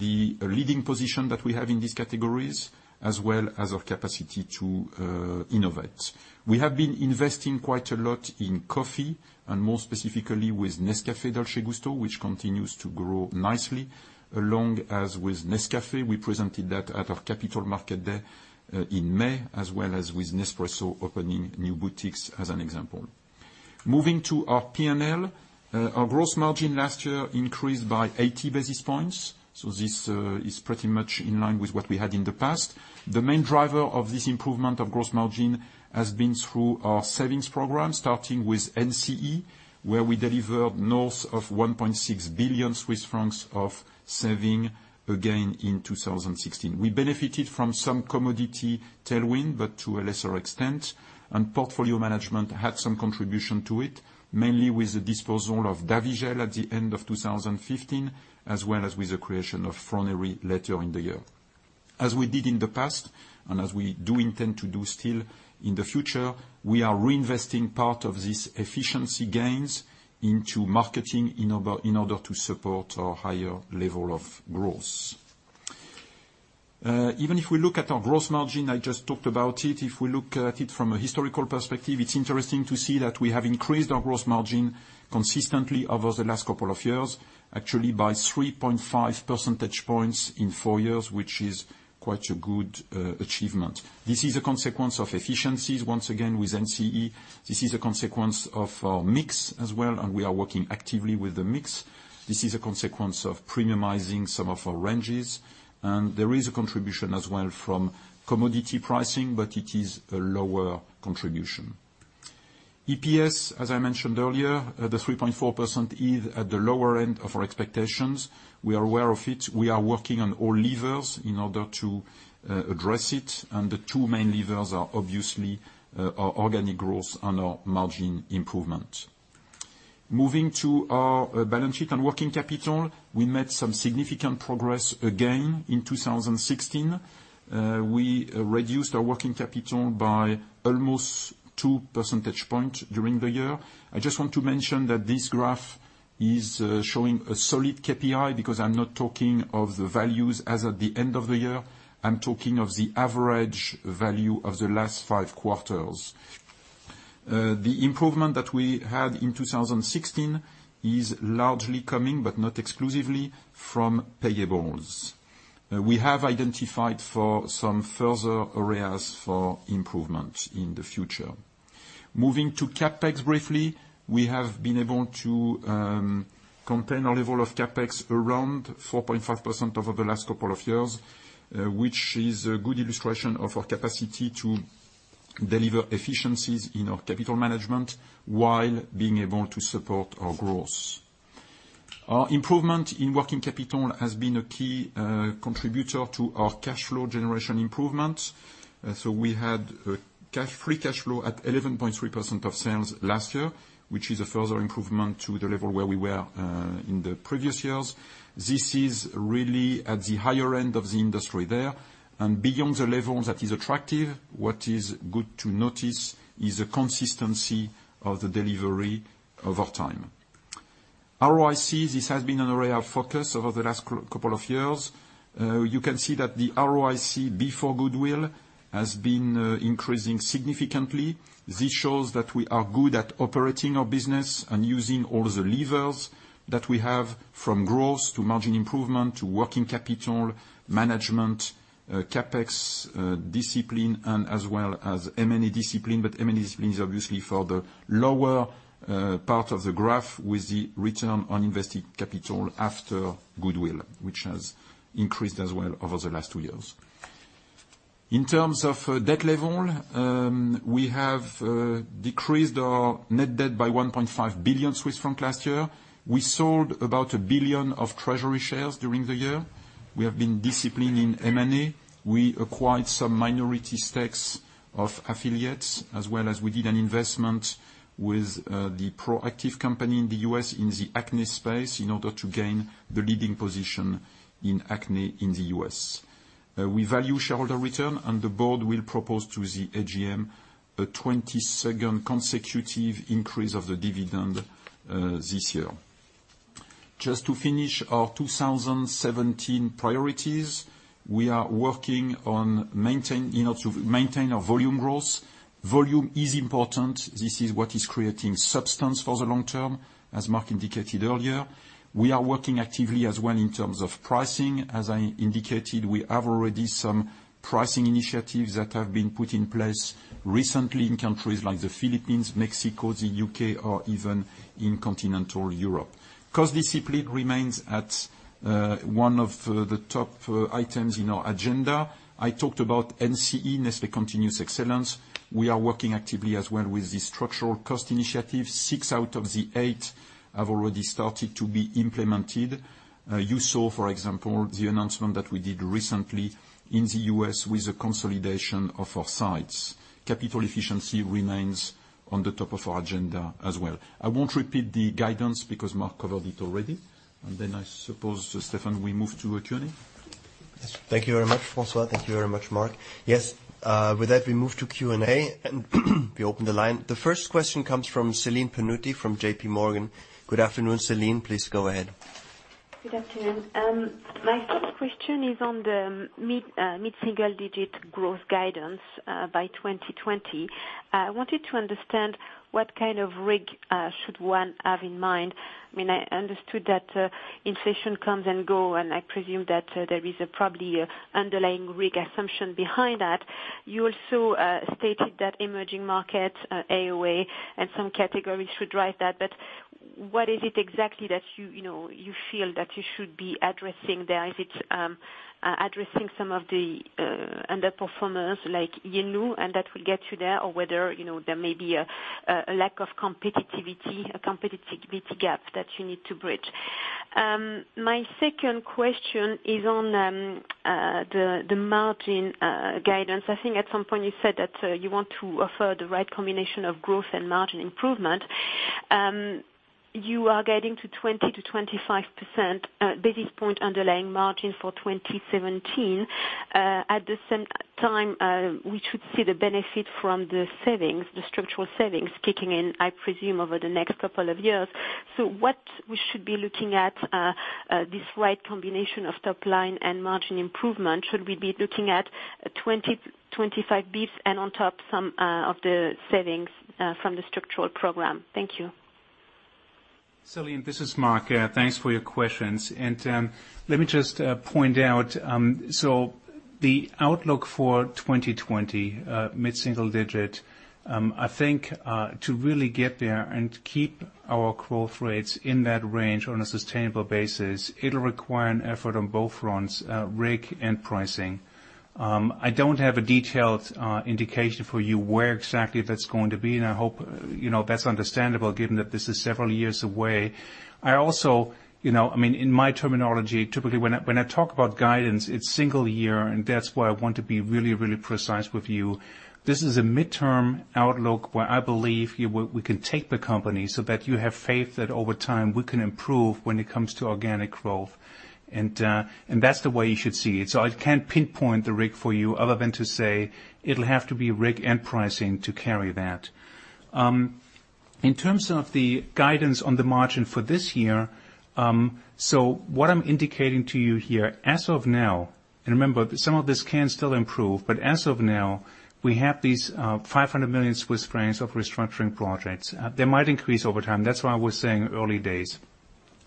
the leading position that we have in these categories, as well as our capacity to innovate. We have been investing quite a lot in coffee, and more specifically with Nescafé Dolce Gusto, which continues to grow nicely, along as with Nescafé. We presented that at our Capital Market Day in May, as well as with Nespresso opening new boutiques as an example. Moving to our P&L. Our gross margin last year increased by 80 basis points. This is pretty much in line with what we had in the past. The main driver of this improvement of gross margin has been through our savings program, starting with NCE, where we delivered north of 1.6 billion Swiss francs of saving again in 2016. We benefited from some commodity tailwind, but to a lesser extent, and portfolio management had some contribution to it, mainly with the disposal of Davigel at the end of 2015, as well as with the creation of Froneri later in the year. As we did in the past, as we do intend to do still in the future, we are reinvesting part of this efficiency gains into marketing in order to support our higher level of growth. Even if we look at our gross margin, I just talked about it, if we look at it from a historical perspective, it's interesting to see that we have increased our gross margin consistently over the last couple of years, actually by 3.5 percentage points in four years, which is quite a good achievement. This is a consequence of efficiencies, once again, with NCE. This is a consequence of our mix as well, and we are working actively with the mix. This is a consequence of premiumizing some of our ranges. There is a contribution as well from commodity pricing, but it is a lower contribution. EPS, as I mentioned earlier, the 3.4% is at the lower end of our expectations. We are aware of it. We are working on all levers in order to address it. The two main levers are obviously our organic growth and our margin improvement. Moving to our balance sheet and working capital, we made some significant progress again in 2016. We reduced our working capital by almost two percentage points during the year. I just want to mention that this graph is showing a solid KPI because I'm not talking of the values as at the end of the year, I'm talking of the average value of the last five quarters. The improvement that we had in 2016 is largely coming, but not exclusively, from payables. We have identified for some further areas for improvement in the future. Moving to CapEx briefly, we have been able to contain our level of CapEx around 4.5% over the last couple of years, which is a good illustration of our capacity to deliver efficiencies in our capital management while being able to support our growth. Our improvement in working capital has been a key contributor to our cash flow generation improvement. We had free cash flow at 11.3% of sales last year, which is a further improvement to the level where we were in the previous years. This is really at the higher end of the industry there. Beyond the level that is attractive, what is good to notice is the consistency of the delivery over time. ROIC, this has been an area of focus over the last couple of years. You can see that the ROIC before goodwill has been increasing significantly. This shows that we are good at operating our business and using all the levers that we have from growth to margin improvement to working capital management, CapEx discipline, and as well as M&A discipline. M&A discipline is obviously for the lower part of the graph with the return on invested capital after goodwill, which has increased as well over the last two years. In terms of debt level, we have decreased our net debt by 1.5 billion Swiss francs last year. We sold about 1 billion of treasury shares during the year. We have been disciplined in M&A. We acquired some minority stakes of affiliates, as well as we did an investment with the Proactiv company in the U.S. in the acne space in order to gain the leading position in acne in the U.S. We value shareholder return. The board will propose to the AGM a 22nd consecutive increase of the dividend this year. Just to finish our 2017 priorities, we are working in order to maintain our volume growth. Volume is important. This is what is creating substance for the long term, as Mark indicated earlier. We are working actively as well in terms of pricing. As I indicated, we have already some pricing initiatives that have been put in place recently in countries like the Philippines, Mexico, the U.K., or even in Continental Europe. Cost discipline remains at one of the top items in our agenda. I talked about NCE, Nestlé Continuous Excellence. We are working actively as well with the structural cost initiative. Six out of the eight have already started to be implemented. You saw, for example, the announcement that we did recently in the U.S. with the consolidation of our sites. Capital efficiency remains on the top of our agenda as well. I won't repeat the guidance because Mark covered it already. I suppose, Steffen, we move to Q&A? Yes. Thank you very much, François. Thank you very much, Mark. Yes. We move to Q&A. We open the line. The first question comes from Celine Pannuti from JPMorgan. Good afternoon, Celine, please go ahead. Good afternoon. My first question is on the mid-single-digit growth guidance by 2020. I wanted to understand what kind of RIG should one have in mind. I understood that inflation comes and goes, and I presume that there is probably underlying RIG assumption behind that. You also stated that emerging markets, AOA, and some categories should drive that, but what is it exactly that you feel that you should be addressing there? Is it addressing some of the underperformers like Yinlu and that will get you there or whether there may be a lack of competitivity, a competitivity gap that you need to bridge? My second question is on the margin guidance. I think at some point you said that you want to offer the right combination of growth and margin improvement. You are getting to 20-25% basis points underlying margin for 2017. We should see the benefit from the structural savings kicking in, I presume, over the next couple of years. What we should be looking at this right combination of top line and margin improvement, should we be looking at 20-25 basis points and on top some of the savings from the structural program? Thank you. Celine, this is Mark. Thanks for your questions. Let me just point out, the outlook for 2020, mid-single-digit. I think to really get there and keep our growth rates in that range on a sustainable basis, it'll require an effort on both fronts, RIG and pricing. I don't have a detailed indication for you where exactly that's going to be, and I hope that's understandable given that this is several years away. In my terminology, typically when I talk about guidance, it's single-year, and that's why I want to be really, really precise with you. This is a mid-term outlook where I believe we can take the company so that you have faith that over time we can improve when it comes to organic growth. That's the way you should see it. I can't pinpoint the RIG for you other than to say it'll have to be RIG and pricing to carry that. In terms of the guidance on the margin for this year, so what I'm indicating to you here, as of now, and remember, some of this can still improve, but as of now, we have these 500 million Swiss francs of restructuring projects. They might increase over time. That's why I was saying early days.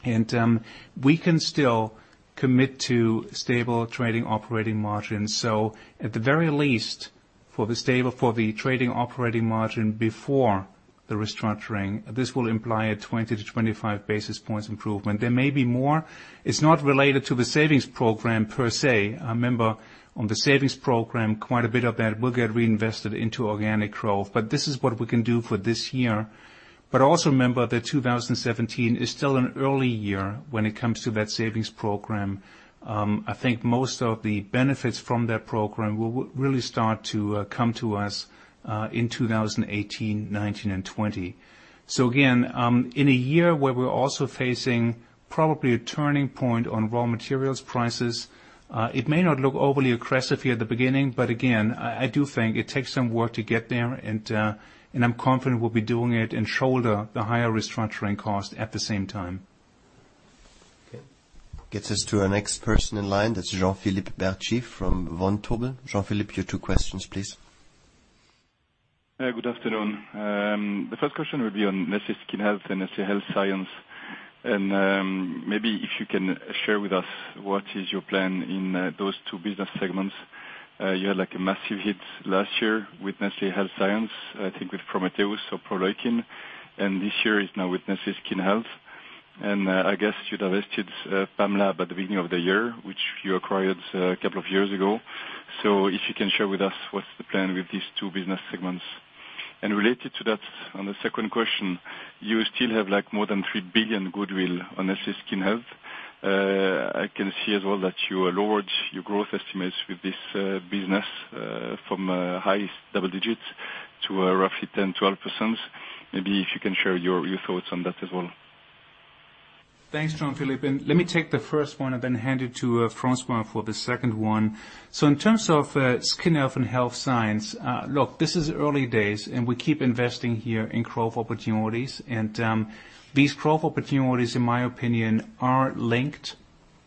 We can still commit to stable Trading Operating Margins. At the very least, for the stable, for the Trading Operating Margin before the restructuring, this will imply a 20-25 basis points improvement. There may be more. It's not related to the savings program per se. Remember, on the savings program, quite a bit of that will get reinvested into organic growth. This is what we can do for this year. Also remember that 2017 is still an early year when it comes to that savings program. I think most of the benefits from that program will really start to come to us in 2018, 2019, and 2020. Again, in a year where we're also facing probably a turning point on raw materials prices, it may not look overly aggressive here at the beginning, but again, I do think it takes some work to get there, and I'm confident we'll be doing it and shoulder the higher restructuring cost at the same time. Okay. Gets us to our next person in line. That's Jean-Philippe Bertschy from Vontobel. Jean-Philippe, your two questions, please. Good afternoon. The first question will be on Nestlé Skin Health and Nestlé Health Science. Maybe if you can share with us what is your plan in those two business segments. You had a massive hit last year with Nestlé Health Science, I think with Prometheus or Prolytin, and this year is now with Nestlé Skin Health. I guess you divested Pamlab at the beginning of the year, which you acquired a couple of years ago. If you can share with us what's the plan with these two business segments. Related to that, on the second question, you still have more than 3 billion goodwill on Nestlé Skin Health. I can see as well that you lowered your growth estimates with this business from highest double digits to roughly 10%-12%. Maybe if you can share your thoughts on that as well. Thanks, Jean-Philippe. Let me take the first one and then hand it to François for the second one. In terms of Skin Health and Health Science, look, this is early days, and we keep investing here in growth opportunities. These growth opportunities, in my opinion, are linked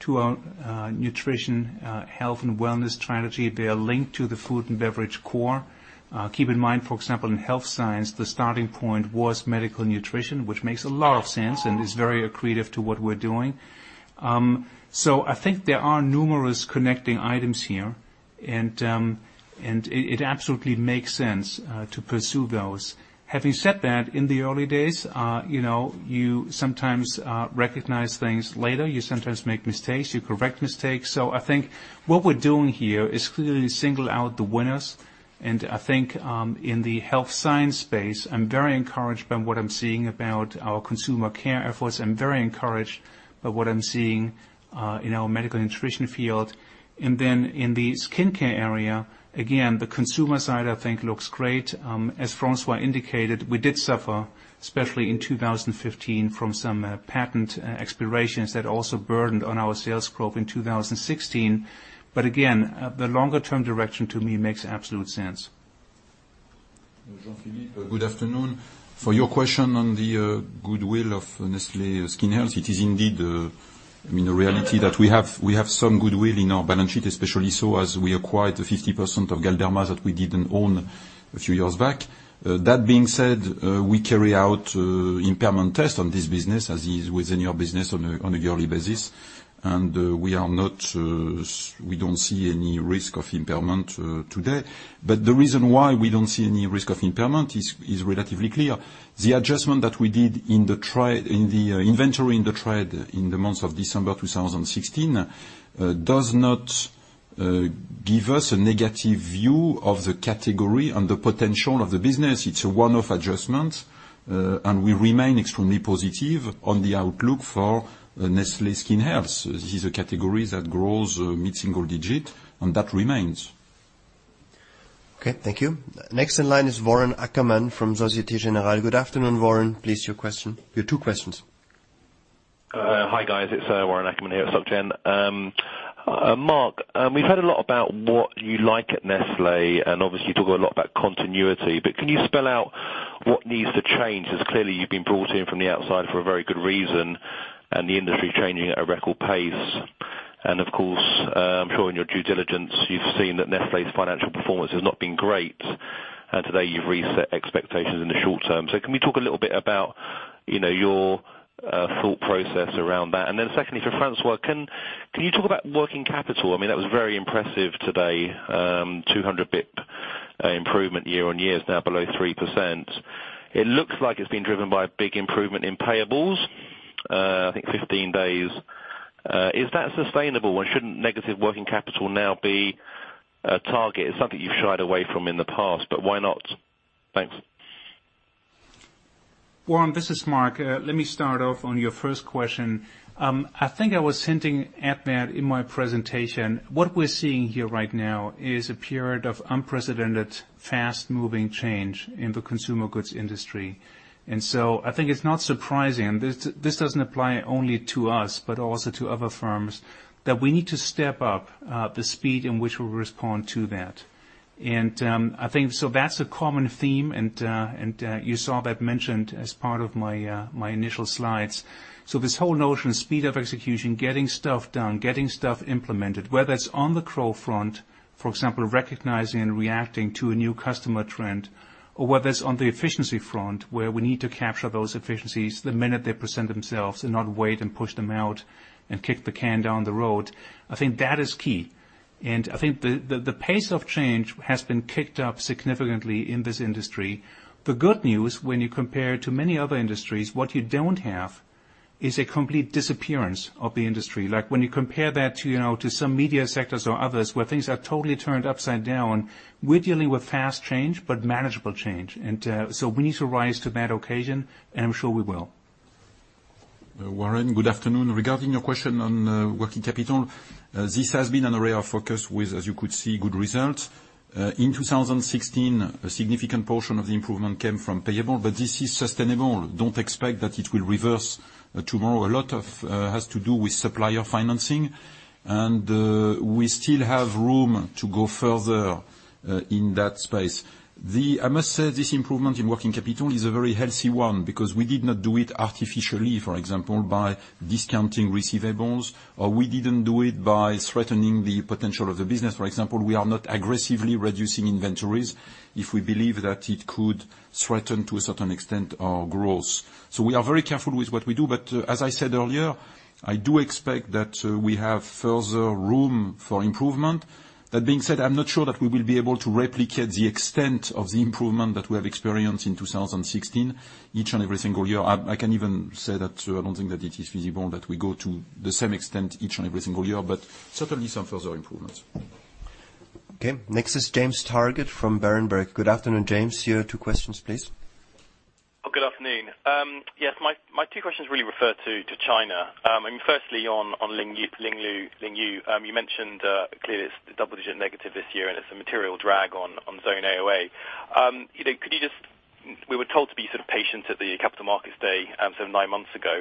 to our nutrition, health, and wellness strategy. They are linked to the food and beverage core. Keep in mind, for example, in Health Science, the starting point was medical nutrition, which makes a lot of sense and is very accretive to what we're doing. I think there are numerous connecting items here, and it absolutely makes sense to pursue those. Having said that, in the early days you sometimes recognize things later. You sometimes make mistakes, you correct mistakes. I think what we're doing here is clearly single out the winners. I think in the Nestlé Health Science space, I'm very encouraged by what I'm seeing about our consumer care efforts. I'm very encouraged by what I'm seeing in our medical nutrition field. Then in the skin care area, again, the consumer side I think looks great. As François indicated, we did suffer, especially in 2015, from some patent expirations that also burdened on our sales growth in 2016. Again, the longer-term direction to me makes absolute sense. Jean-Philippe, good afternoon. For your question on the goodwill of Nestlé Skin Health, it is indeed a reality that we have some goodwill in our balance sheet, especially so as we acquired 50% of Galderma that we didn't own a few years back. That being said, we carry out impairment test on this business as is with any other business on a yearly basis. We don't see any risk of impairment today. The reason why we don't see any risk of impairment is relatively clear. The adjustment that we did in the inventory in the trade in the month of December 2016 does not give us a negative view of the category and the potential of the business. It's a one-off adjustment, and we remain extremely positive on the outlook for Nestlé Skin Health. This is a category that grows mid-single digit. That remains. Okay. Thank you. Next in line is Warren Ackerman from Société Générale. Good afternoon, Warren. Please, your question. Your two questions. Hi, guys. It's Warren Ackerman here at Soc Gen. Mark, we've heard a lot about what you like at Nestlé, and obviously you talk a lot about continuity. Can you spell out what needs to change? As clearly you've been brought in from the outside for a very good reason, and the industry is changing at a record pace. Of course, I'm sure in your due diligence, you've seen that Nestlé's financial performance has not been great. Today you've reset expectations in the short term. Can we talk a little bit about your thought process around that? Then secondly, for François, can you talk about working capital? That was very impressive today, 200 bip improvement year-over-year, it's now below 3%. It looks like it's been driven by a big improvement in payables, I think 15 days. Is that sustainable? When shouldn't negative working capital now be a target? It's something you've shied away from in the past, but why not? Thanks. Warren, this is Mark. Let me start off on your first question. I think I was hinting at that in my presentation. What we're seeing here right now is a period of unprecedented, fast moving change in the consumer goods industry. I think it's not surprising, this doesn't apply only to us, but also to other firms, that we need to step up the speed in which we respond to that. I think that's a common theme, and you saw that mentioned as part of my initial slides. This whole notion of speed of execution, getting stuff done, getting stuff implemented, whether it's on the growth front, for example, recognizing and reacting to a new customer trend, or whether it's on the efficiency front, where we need to capture those efficiencies the minute they present themselves and not wait and push them out and kick the can down the road. I think that is key. I think the pace of change has been kicked up significantly in this industry. The good news, when you compare to many other industries, what you don't have is a complete disappearance of the industry. Like when you compare that to some media sectors or others, where things are totally turned upside down. We're dealing with fast change, but manageable change. We need to rise to that occasion, and I'm sure we will. Warren, good afternoon. Regarding your question on working capital, this has been an area of focus with, as you could see, good results. In 2016, a significant portion of the improvement came from payables, but this is sustainable. Don't expect that it will reverse tomorrow. A lot has to do with supplier financing, and we still have room to go further in that space. I must say, this improvement in working capital is a very healthy one because we did not do it artificially, for example, by discounting receivables, or we didn't do it by threatening the potential of the business. For example, we are not aggressively reducing inventories if we believe that it could threaten, to a certain extent, our growth. We are very careful with what we do. As I said earlier, I do expect that we have further room for improvement. That being said, I'm not sure that we will be able to replicate the extent of the improvement that we have experienced in 2016 each and every single year. I can even say that I don't think that it is feasible that we go to the same extent each and every single year, but certainly some further improvements. Okay. Next is James Targett from Berenberg. Good afternoon, James. Your two questions, please. Good afternoon. My two questions really refer to China. Firstly on Yinlu. You mentioned clearly it's double-digit negative this year, and it's a material drag on zone AOA. We were told to be sort of patient at the Capital Markets Day, so nine months ago,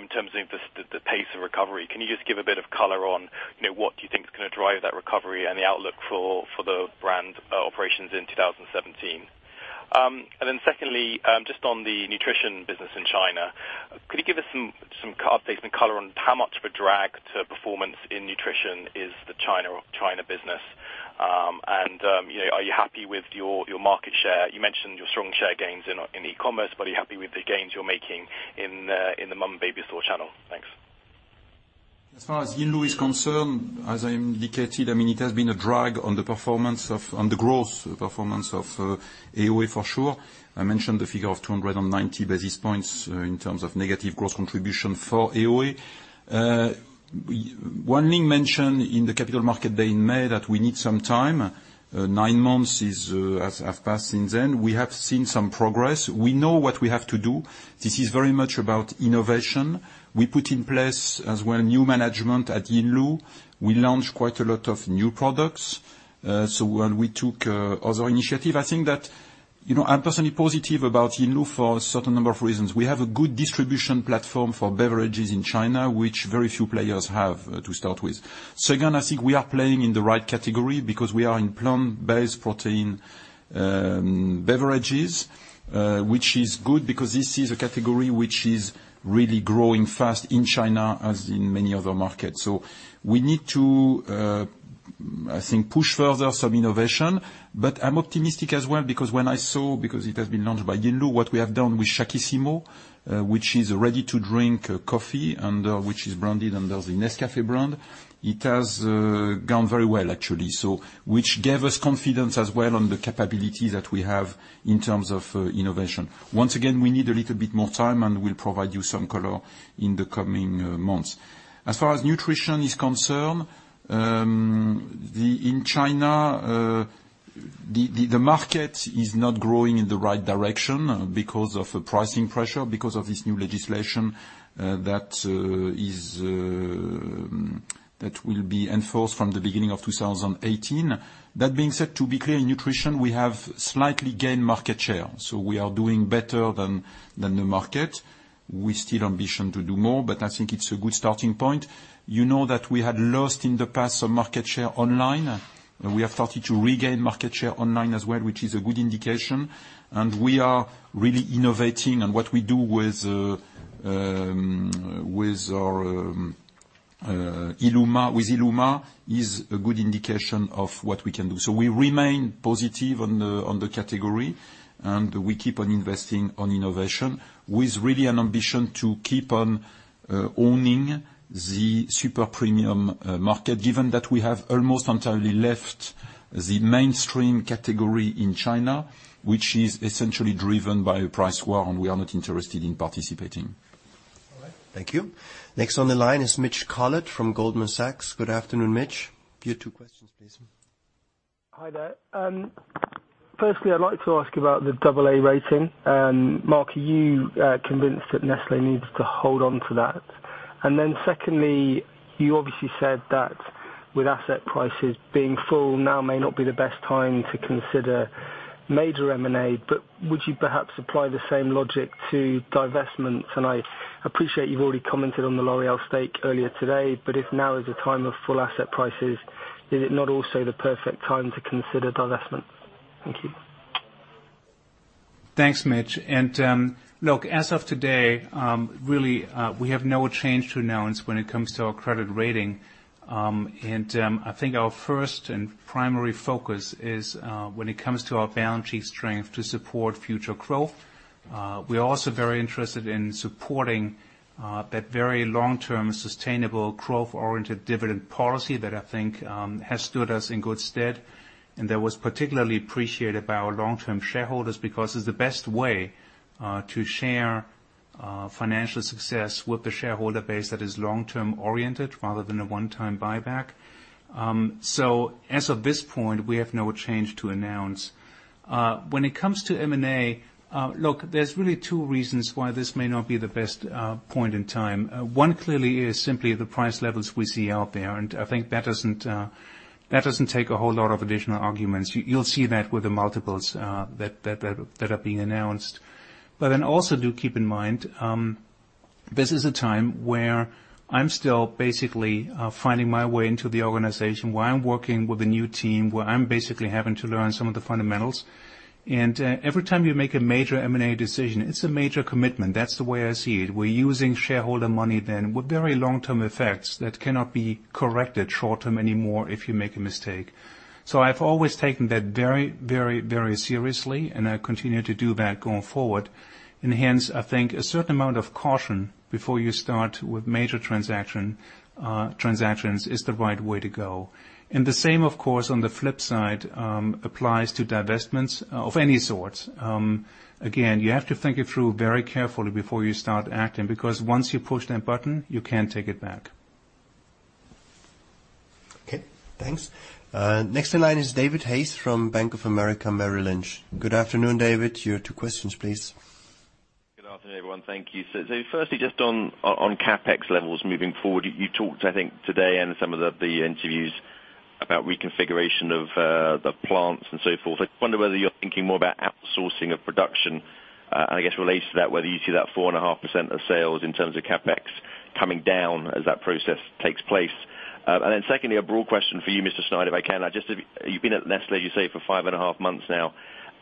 in terms of the pace of recovery. Can you just give a bit of color on what you think is going to drive that recovery and the outlook for the brand operations in 2017? Secondly, just on the nutrition business in China, could you give us some updates and color on how much of a drag to performance in nutrition is the China business? Are you happy with your market share? You mentioned your strong share gains in e-commerce, but are you happy with the gains you're making in the mom and baby store channel? Thanks. As far as Yinlu is concerned, as I indicated, it has been a drag on the growth performance of AOA for sure. I mentioned the figure of 290 basis points in terms of negative growth contribution for AOA. Wan Ling mentioned in the Capital Markets Day in May that we need some time. Nine months have passed since then. We have seen some progress. We know what we have to do. This is very much about innovation. We put in place as well, new management at Yinlu. We launched quite a lot of new products. When we took other initiative, I think that I'm personally positive about Yinlu for a certain number of reasons. We have a good distribution platform for beverages in China, which very few players have to start with. Second, I think we are playing in the right category because we are in plant-based protein beverages, which is good because this is a category which is really growing fast in China as in many other markets. We need to, I think push further some innovation, but I'm optimistic as well because when I saw, because it has been launched by Yinlu, what we have done with Shakissimo, which is a ready-to-drink coffee and which is branded under the Nescafé brand, it has gone very well actually, which gave us confidence as well on the capability that we have in terms of innovation. Once again, we need a little bit more time, and we'll provide you some color in the coming months. As far as nutrition is concerned, in China, the market is not growing in the right direction because of pricing pressure, because of this new legislation that will be enforced from the beginning of 2018. That being said, to be clear, in nutrition, we have slightly gained market share. We are doing better than the market. We still ambition to do more, but I think it's a good starting point. You know that we had lost in the past some market share online. We have started to regain market share online as well, which is a good indication, and we are really innovating on what we do with Illuma is a good indication of what we can do. We remain positive on the category. We keep on investing on innovation with really an ambition to keep on owning the super premium market, given that we have almost entirely left the mainstream category in China, which is essentially driven by a price war. We are not interested in participating. All right. Thank you. Next on the line is Mitch Collett from Goldman Sachs. Good afternoon, Mitch. Your two questions, please. Hi there. Firstly, I'd like to ask about the AA rating. Mark, are you convinced that Nestlé needs to hold on to that? Secondly, you obviously said that with asset prices being full now may not be the best time to consider major M&A. Would you perhaps apply the same logic to divestments? I appreciate you've already commented on the L'Oréal stake earlier today, but if now is a time of full asset prices, is it not also the perfect time to consider divestment? Thank you. Thanks, Mitch. Look, as of today, really, we have no change to announce when it comes to our credit rating. I think our first and primary focus is when it comes to our balance sheet strength to support future growth. We are also very interested in supporting that very long-term, sustainable growth-oriented dividend policy that I think has stood us in good stead, and that was particularly appreciated by our long-term shareholders because it's the best way to share financial success with the shareholder base that is long-term oriented rather than a one-time buyback. As of this point, we have no change to announce. When it comes to M&A, look, there's really two reasons why this may not be the best point in time. One clearly is simply the price levels we see out there, and I think that doesn't take a whole lot of additional arguments. You'll see that with the multiples that are being announced. Also do keep in mind this is a time where I'm still basically finding my way into the organization, where I'm working with a new team, where I'm basically having to learn some of the fundamentals. Every time you make a major M&A decision, it's a major commitment. That's the way I see it. We're using shareholder money then with very long-term effects that cannot be corrected short-term anymore if you make a mistake. I've always taken that very seriously, and I continue to do that going forward. Hence, I think a certain amount of caution before you start with major transactions is the right way to go. The same, of course, on the flip side applies to divestments of any sort. Again, you have to think it through very carefully before you start acting, because once you push that button, you can't take it back. Okay, thanks. Next in line is David Hayes from Bank of America Merrill Lynch. Good afternoon, David. Your two questions, please. Good afternoon, everyone. Thank you. Firstly, just on CapEx levels moving forward, you talked, I think, today in some of the interviews about reconfiguration of the plants and so forth. I wonder whether you're thinking more about outsourcing of production, and I guess related to that, whether you see that 4.5% of sales in terms of CapEx coming down as that process takes place. Secondly, a broad question for you, Mr. Schneider, if I can. You've been at Nestlé, as you say, for five and a half months now.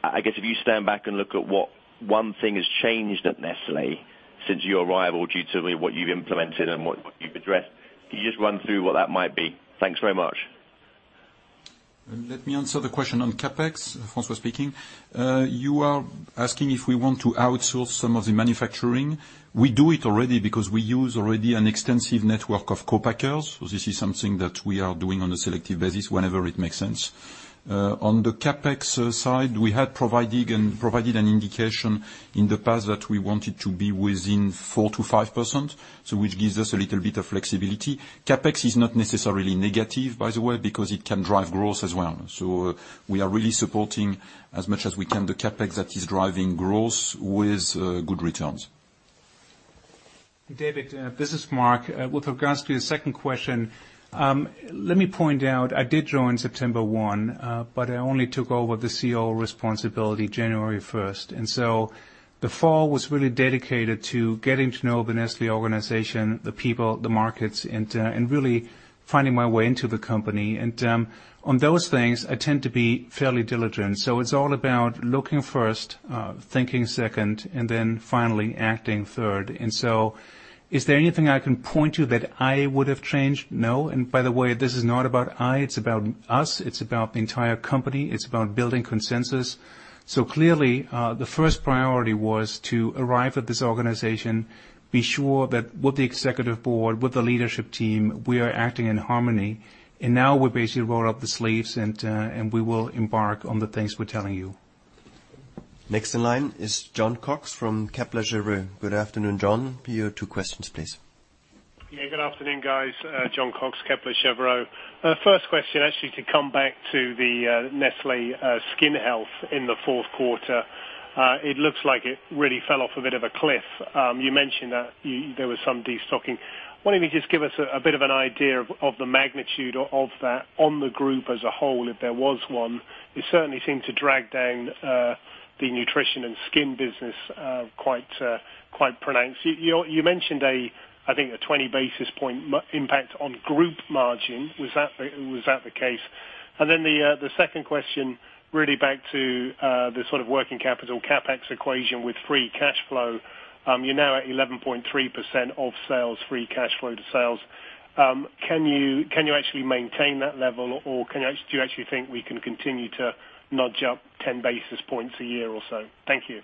I guess if you stand back and look at what one thing has changed at Nestlé since your arrival due to what you've implemented and what you've addressed, can you just run through what that might be? Thanks very much. Let me answer the question on CapEx. François speaking. You are asking if we want to outsource some of the manufacturing. We do it already because we use already an extensive network of co-packers. This is something that we are doing on a selective basis whenever it makes sense. On the CapEx side, we had provided an indication in the past that we wanted to be within 4%-5%, which gives us a little bit of flexibility. CapEx is not necessarily negative, by the way, because it can drive growth as well. We are really supporting as much as we can the CapEx that is driving growth with good returns. David, this is Mark. With regards to your second question, let me point out I did join September 1, but I only took over the CEO responsibility January 1. The fall was really dedicated to getting to know the Nestlé organization, the people, the markets, and really finding my way into the company. On those things, I tend to be fairly diligent. It's all about looking first, thinking second, and then finally acting third. Is there anything I can point to that I would have changed? No. By the way, this is not about I, it's about us. It's about the entire company. It's about building consensus. Clearly, the first priority was to arrive at this organization, be sure that with the executive board, with the leadership team, we are acting in harmony. Now we basically roll up the sleeves, and we will embark on the things we're telling you. Next in line is Jon Cox from Kepler Cheuvreux. Good afternoon, Jon. Your two questions, please. Good afternoon, guys. Jon Cox, Kepler Cheuvreux. First question actually to come back to the Nestlé Skin Health in the fourth quarter. It looks like it really fell off a bit of a cliff. You mentioned that there was some de-stocking. Why don't you just give us a bit of an idea of the magnitude of that on the group as a whole, if there was one? It certainly seemed to drag down the nutrition and skin business quite pronounced. You mentioned, I think, a 20 basis point impact on group margin. Was that the case? The second question, really back to the sort of working capital CapEx equation with free cash flow. You're now at 11.3% of sales, free cash flow to sales. Can you actually maintain that level, or do you actually think we can continue to nudge up 10 basis points a year or so? Thank you.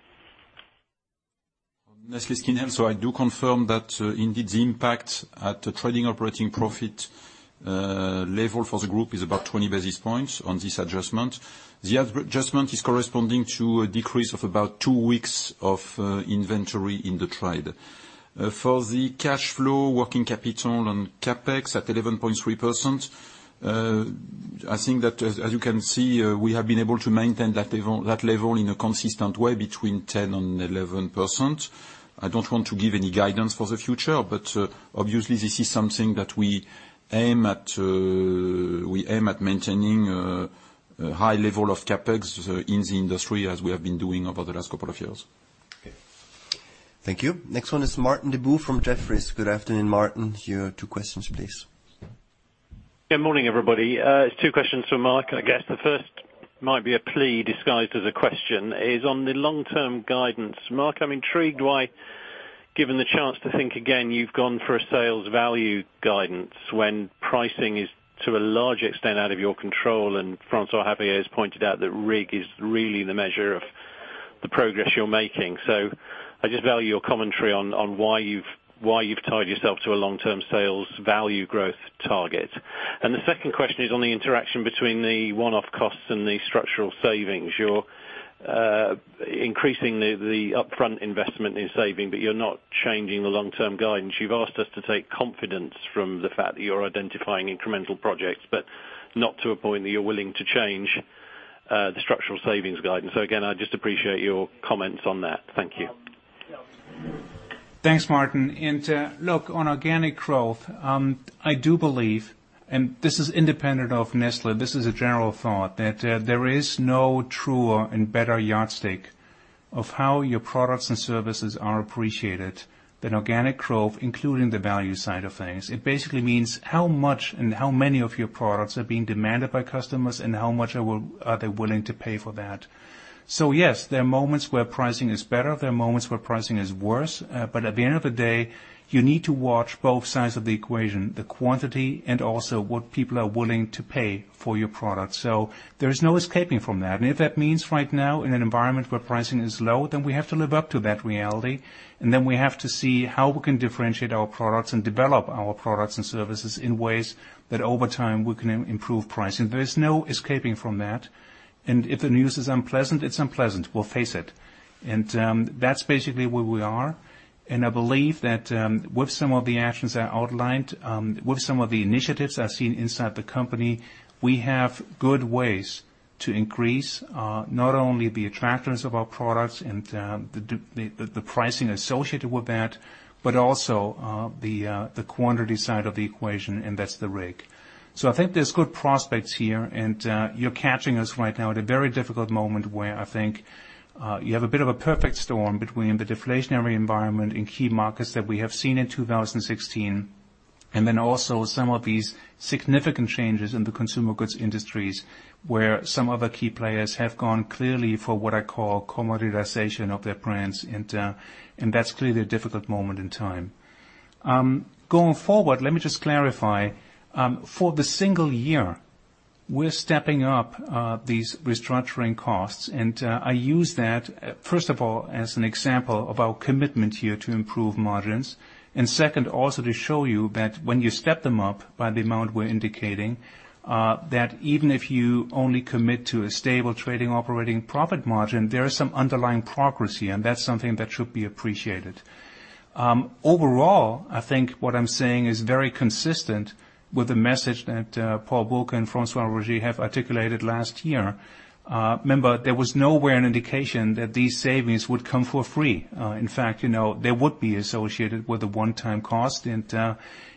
Nestlé Skin Health. I do confirm that indeed the impact at the trading operating profit level for the group is about 20 basis points on this adjustment. The adjustment is corresponding to a decrease of about two weeks of inventory in the trade. For the cash flow, working capital on CapEx at 11.3%, I think that as you can see, we have been able to maintain that level in a consistent way between 10% and 11%. I don't want to give any guidance for the future, obviously this is something that we aim at maintaining a high level of CapEx in the industry as we have been doing over the last couple of years. Okay. Thank you. Next one is Martin Deboo from Jefferies. Good afternoon, Martin. Your two questions, please. Good morning, everybody. It's two questions from Mark. I guess the first might be a plea disguised as a question, is on the long-term guidance. Mark, I'm intrigued why, given the chance to think again, you've gone for a sales value guidance when pricing is, to a large extent, out of your control, and François-Xavier has pointed out that RIG is really the measure of the progress you're making. I just value your commentary on why you've tied yourself to a long-term sales value growth target. The second question is on the interaction between the one-off costs and the structural savings. You're increasing the upfront investment in saving, but you're not changing the long-term guidance. You've asked us to take confidence from the fact that you're identifying incremental projects, but not to a point that you're willing to change the structural savings guidance. Again, I'd just appreciate your comments on that. Thank you. Thanks, Martin. Look, on organic growth, I do believe, and this is independent of Nestlé, this is a general thought, that there is no truer and better yardstick of how your products and services are appreciated than organic growth, including the value side of things. It basically means how much and how many of your products are being demanded by customers, and how much are they willing to pay for that. Yes, there are moments where pricing is better, there are moments where pricing is worse. At the end of the day, you need to watch both sides of the equation, the quantity, and also what people are willing to pay for your product. There is no escaping from that. If that means right now in an environment where pricing is low, we have to live up to that reality, and we have to see how we can differentiate our products and develop our products and services in ways that over time we can improve pricing. There is no escaping from that. If the news is unpleasant, it's unpleasant. We'll face it. That's basically where we are, and I believe that with some of the actions I outlined, with some of the initiatives I've seen inside the company, we have good ways to increase, not only the attractiveness of our products and the pricing associated with that, but also the quantity side of the equation, and that's the RIG. I think there's good prospects here, and you're catching us right now at a very difficult moment where I think you have a bit of a perfect storm between the deflationary environment in key markets that we have seen in 2016, and then also some of these significant changes in the consumer goods industries, where some of the key players have gone clearly for what I call commoditization of their brands, and that's clearly a difficult moment in time. Going forward, let me just clarify. For the single year, we're stepping up these restructuring costs, and I use that first of all as an example of our commitment here to improve margins. Second, also to show you that when you step them up by the amount we're indicating, that even if you only commit to a stable trading operating profit margin, there is some underlying progress here, and that's something that should be appreciated. Overall, I think what I'm saying is very consistent with the message that Paul Bulcke and François-Xavier have articulated last year. Remember, there was nowhere an indication that these savings would come for free. In fact, they would be associated with a one-time cost, and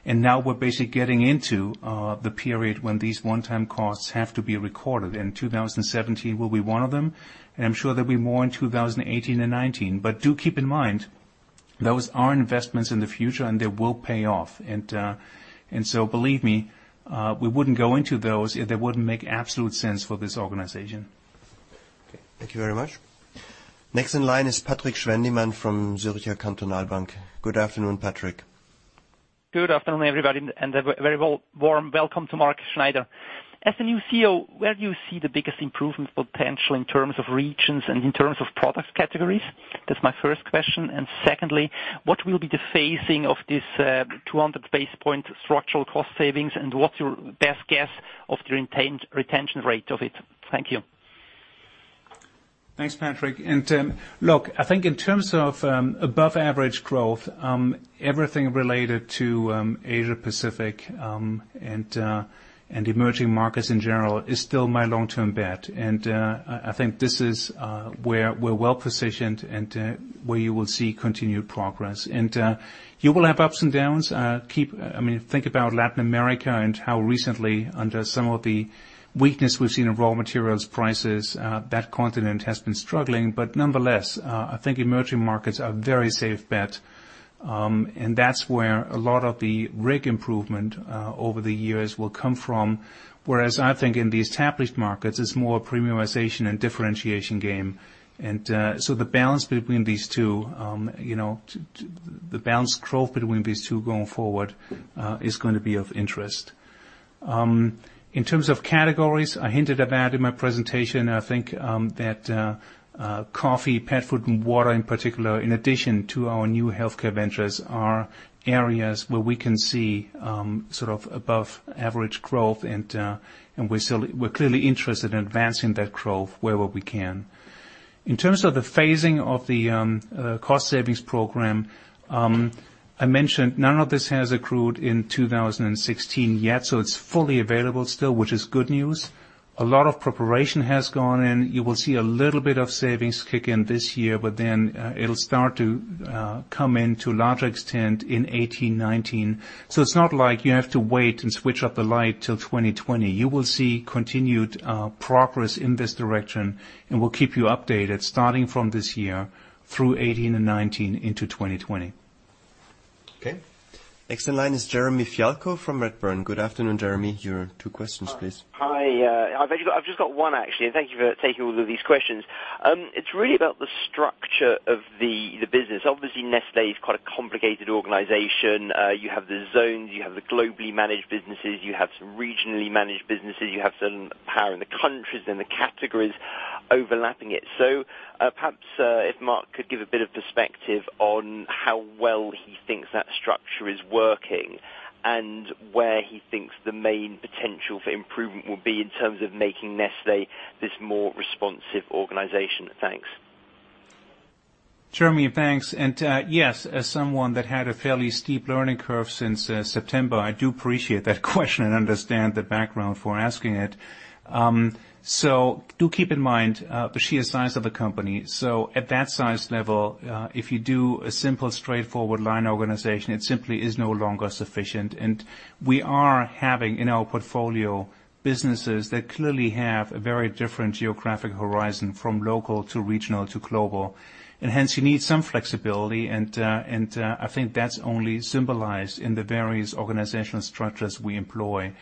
now we're basically getting into the period when these one-time costs have to be recorded, and 2017 will be one of them, and I'm sure there'll be more in 2018 and 2019. Do keep in mind, those are investments in the future and they will pay off. Believe me, we wouldn't go into those if they wouldn't make absolute sense for this organization. Okay. Thank you very much. Next in line is Patrik Schwendimann from Zürcher Kantonalbank. Good afternoon, Patrik. Good afternoon, everybody. A very warm welcome to Mark Schneider. As the new CEO, where do you see the biggest improvement potential in terms of regions and in terms of product categories? That's my first question. Secondly, what will be the phasing of this 200 basis point structural cost savings, and what's your best guess of the retention rate of it? Thank you. Thanks, Patrik. Look, I think in terms of above average growth, everything related to Asia Pacific, and emerging markets in general is still my long-term bet. I think this is where we're well-positioned and where you will see continued progress. You will have ups and downs. Think about Latin America and how recently under some of the weakness we've seen in raw materials prices, that continent has been struggling. Nonetheless, I think emerging markets are a very safe bet. That's where a lot of the RIG improvement over the years will come from. Whereas I think in the established markets, it's more premiumization and differentiation game. So the balance growth between these two going forward, is going to be of interest. In terms of categories, I hinted about in my presentation, I think that coffee, pet food, and water in particular, in addition to our new healthcare ventures, are areas where we can see above average growth. We're clearly interested in advancing that growth wherever we can. In terms of the phasing of the cost savings program, I mentioned none of this has accrued in 2016 yet, it's fully available still, which is good news. A lot of preparation has gone in. You will see a little bit of savings kick in this year, but then it'll start to come in to a larger extent in 2018, 2019. It's not like you have to wait and switch off the light till 2020. You will see continued progress in this direction, and we'll keep you updated starting from this year through 2018 and 2019 into 2020. Okay. Next in line is Jeremy Fialko from Redburn. Good afternoon, Jeremy. Your two questions, please. Hi. I've just got one, actually. Thank you for taking all of these questions. It's really about the structure of the business. Obviously, Nestlé is quite a complicated organization. You have the zones, you have the globally managed businesses, you have some regionally managed businesses, you have certain power in the countries and the categories overlapping it. Perhaps, if Mark could give a bit of perspective on how well he thinks that structure is working and where he thinks the main potential for improvement will be in terms of making Nestlé this more responsive organization. Thanks. Jeremy, thanks. Yes, as someone that had a fairly steep learning curve since September, I do appreciate that question and understand the background for asking it. Do keep in mind the sheer size of the company. At that size level, if you do a simple, straightforward line organization, it simply is no longer sufficient. We are having in our portfolio businesses that clearly have a very different geographic horizon from local to regional to global. Hence, you need some flexibility, and I think that's only symbolized in the various organizational structures we employ.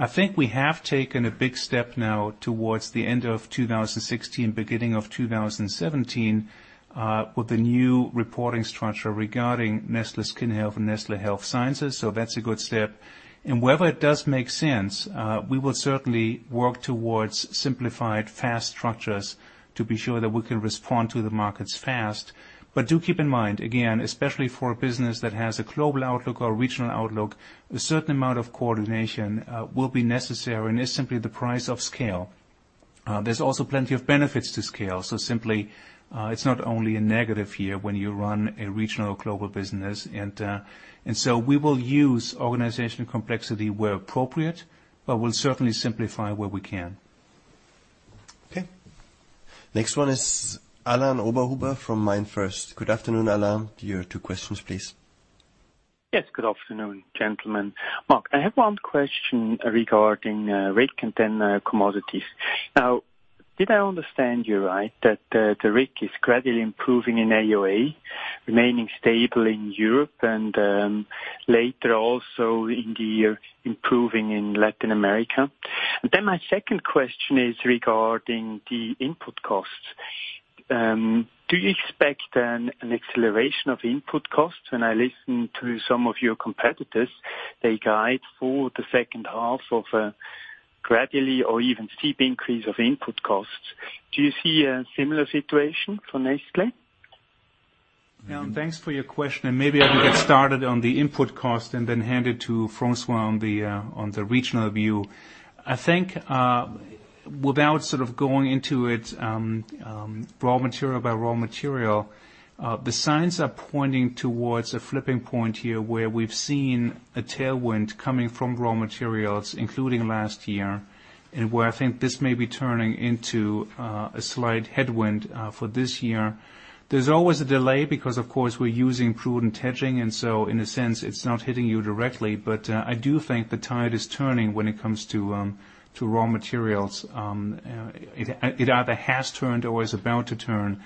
I think we have taken a big step now towards the end of 2016, beginning of 2017, with the new reporting structure regarding Nestlé Skin Health and Nestlé Health Science. That's a good step. Wherever it does make sense, we will certainly work towards simplified, fast structures to be sure that we can respond to the markets fast. Do keep in mind, again, especially for a business that has a global outlook or regional outlook, a certain amount of coordination will be necessary and is simply the price of scale. There's also plenty of benefits to scale, simply it's not only a negative here when you run a regional global business. We will use organizational complexity where appropriate, but we'll certainly simplify where we can. Okay. Next one is Alain Oberhuber from MainFirst. Good afternoon, Alain. Your two questions, please. Yes. Good afternoon, gentlemen. Mark, I have one question regarding RIG and then commodities. Did I understand you right that the RIG is gradually improving in AOA, remaining stable in Europe and later also in the year improving in Latin America? My second question is regarding the input costs. Do you expect an acceleration of input costs? When I listen to some of your competitors, they guide for the second half of gradually or even steep increase of input costs. Do you see a similar situation for Nestlé? Alain, thanks for your question. Maybe I can get started on the input cost and then hand it to François on the regional view. I think without sort of going into it raw material by raw material, the signs are pointing towards a flipping point here where we've seen a tailwind coming from raw materials, including last year, where I think this may be turning into a slight headwind for this year. There's always a delay because, of course, we're using prudent hedging, so in a sense, it's not hitting you directly. I do think the tide is turning when it comes to raw materials. It either has turned or is about to turn.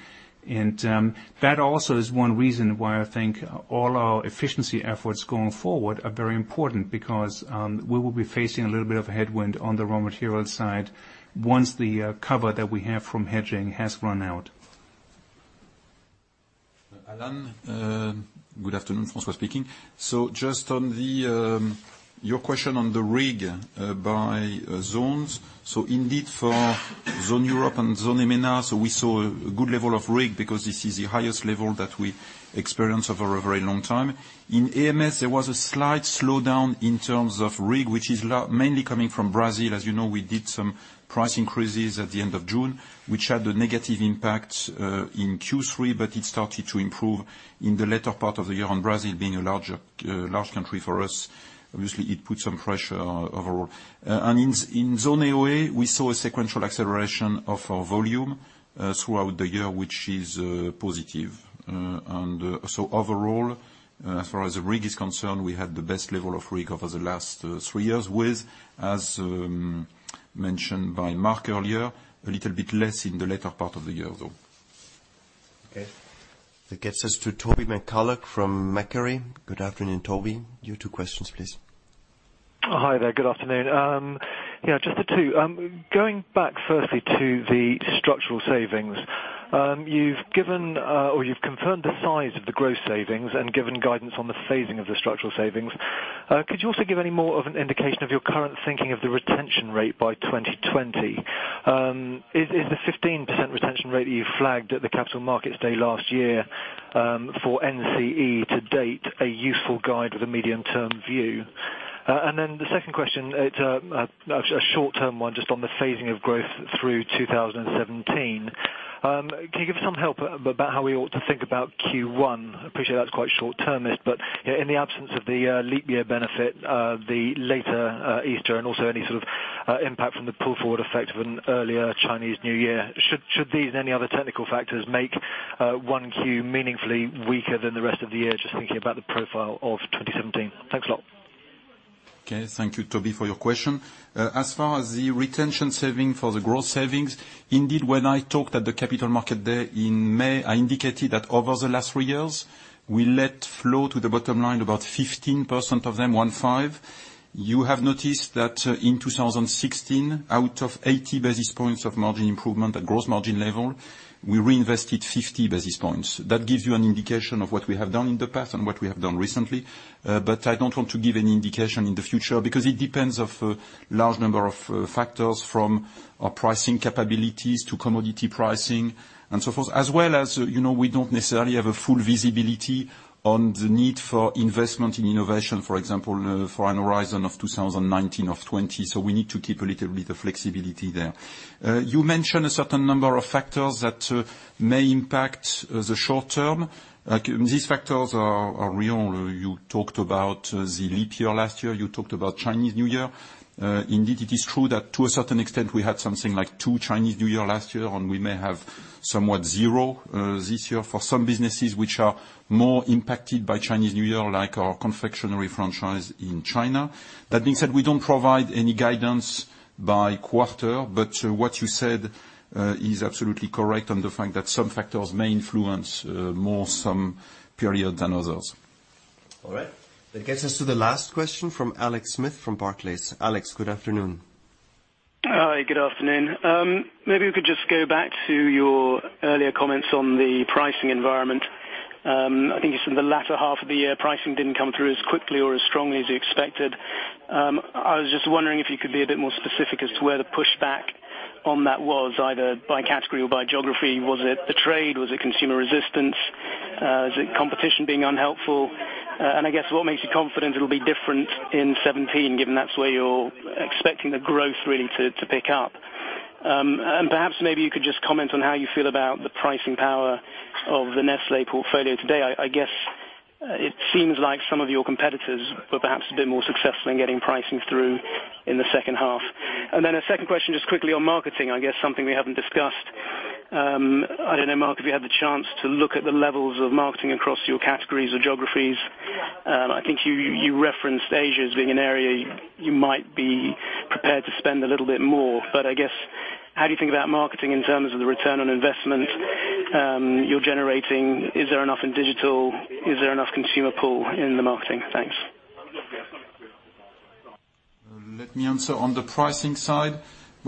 That also is one reason why I think all our efficiency efforts going forward are very important because we will be facing a little bit of a headwind on the raw materials side once the cover that we have from hedging has run out. Alain, good afternoon. François speaking. Your question on the RIG by zones. Indeed for zone Europe and zone EMENA, we saw a good level of RIG because this is the highest level that we experienced over a very long time. In AMS, there was a slight slowdown in terms of RIG, which is mainly coming from Brazil. As you know, we did some price increases at the end of June, which had a negative impact in Q3, but it started to improve in the latter part of the year on Brazil being a large country for us. Obviously, it put some pressure overall. In zone AOA, we saw a sequential acceleration of our volume throughout the year, which is positive. Overall, as far as the RIG is concerned, we had the best level of RIG over the last three years with, as mentioned by Mark earlier, a little bit less in the latter part of the year, though. Okay. That gets us to Toby McCullagh from Macquarie. Good afternoon, Toby. Your two questions, please. Hi there. Good afternoon. Just the two. Going back firstly to the structural savings. You've given or you've confirmed the size of the gross savings and given guidance on the phasing of the structural savings. Could you also give any more of an indication of your current thinking of the retention rate by 2020? Is the 15% retention rate that you flagged at the Capital Markets Day last year for NCE to date a useful guide with a medium-term view? The second question, it's a short-term one just on the phasing of growth through 2017. Can you give us some help about how we ought to think about Q1? I appreciate that's quite short-termist, but in the absence of the leap year benefit, the later Easter, and also any sort of impact from the pull-forward effect of an earlier Chinese New Year. Should these any other technical factors make 1Q meaningfully weaker than the rest of the year, just thinking about the profile of 2017? Thanks a lot. Okay. Thank you, Toby, for your question. As far as the retention saving for the growth savings, indeed, when I talked at the Capital Markets Day in May, I indicated that over the last three years, we let flow to the bottom line about 15% of them, one five. You have noticed that in 2016, out of 80 basis points of margin improvement at gross margin level, we reinvested 50 basis points. That gives you an indication of what we have done in the past and what we have done recently. I don't want to give any indication in the future because it depends of a large number of factors from our pricing capabilities to commodity pricing and so forth, as well as, we don't necessarily have a full visibility on the need for investment in innovation, for example, for an horizon of 2019 of 2020. We need to keep a little bit of flexibility there. You mentioned a certain number of factors that may impact the short term. These factors are real. You talked about the leap year last year. You talked about Chinese New Year. Indeed, it is true that to a certain extent, we had something like two Chinese New Year last year, and we may have somewhat zero this year for some businesses which are more impacted by Chinese New Year, like our confectionery franchise in China. That being said, we don't provide any guidance by quarter, but what you said is absolutely correct on the fact that some factors may influence more some periods than others. All right. That gets us to the last question from Alex Smith from Barclays. Alex, good afternoon. Hi, good afternoon. Maybe we could just go back to your earlier comments on the pricing environment. I think you said in the latter half of the year, pricing didn't come through as quickly or as strongly as you expected. I was just wondering if you could be a bit more specific as to where the pushback on that was, either by category or by geography. Was it the trade? Was it consumer resistance? Is it competition being unhelpful? I guess what makes you confident it'll be different in 2017, given that's where you're expecting the growth really to pick up? Perhaps maybe you could just comment on how you feel about the pricing power of the Nestlé portfolio today. I guess it seems like some of your competitors were perhaps a bit more successful in getting pricing through in the second half. A second question, just quickly on marketing, I guess something we haven't discussed. I don't know, Mark, if you had the chance to look at the levels of marketing across your categories or geographies. I think you referenced Asia as being an area you might be prepared to spend a little bit more, but I guess how do you think about marketing in terms of the return on investment you're generating? Is there enough in digital? Is there enough consumer pull in the marketing? Thanks. Let me answer on the pricing side.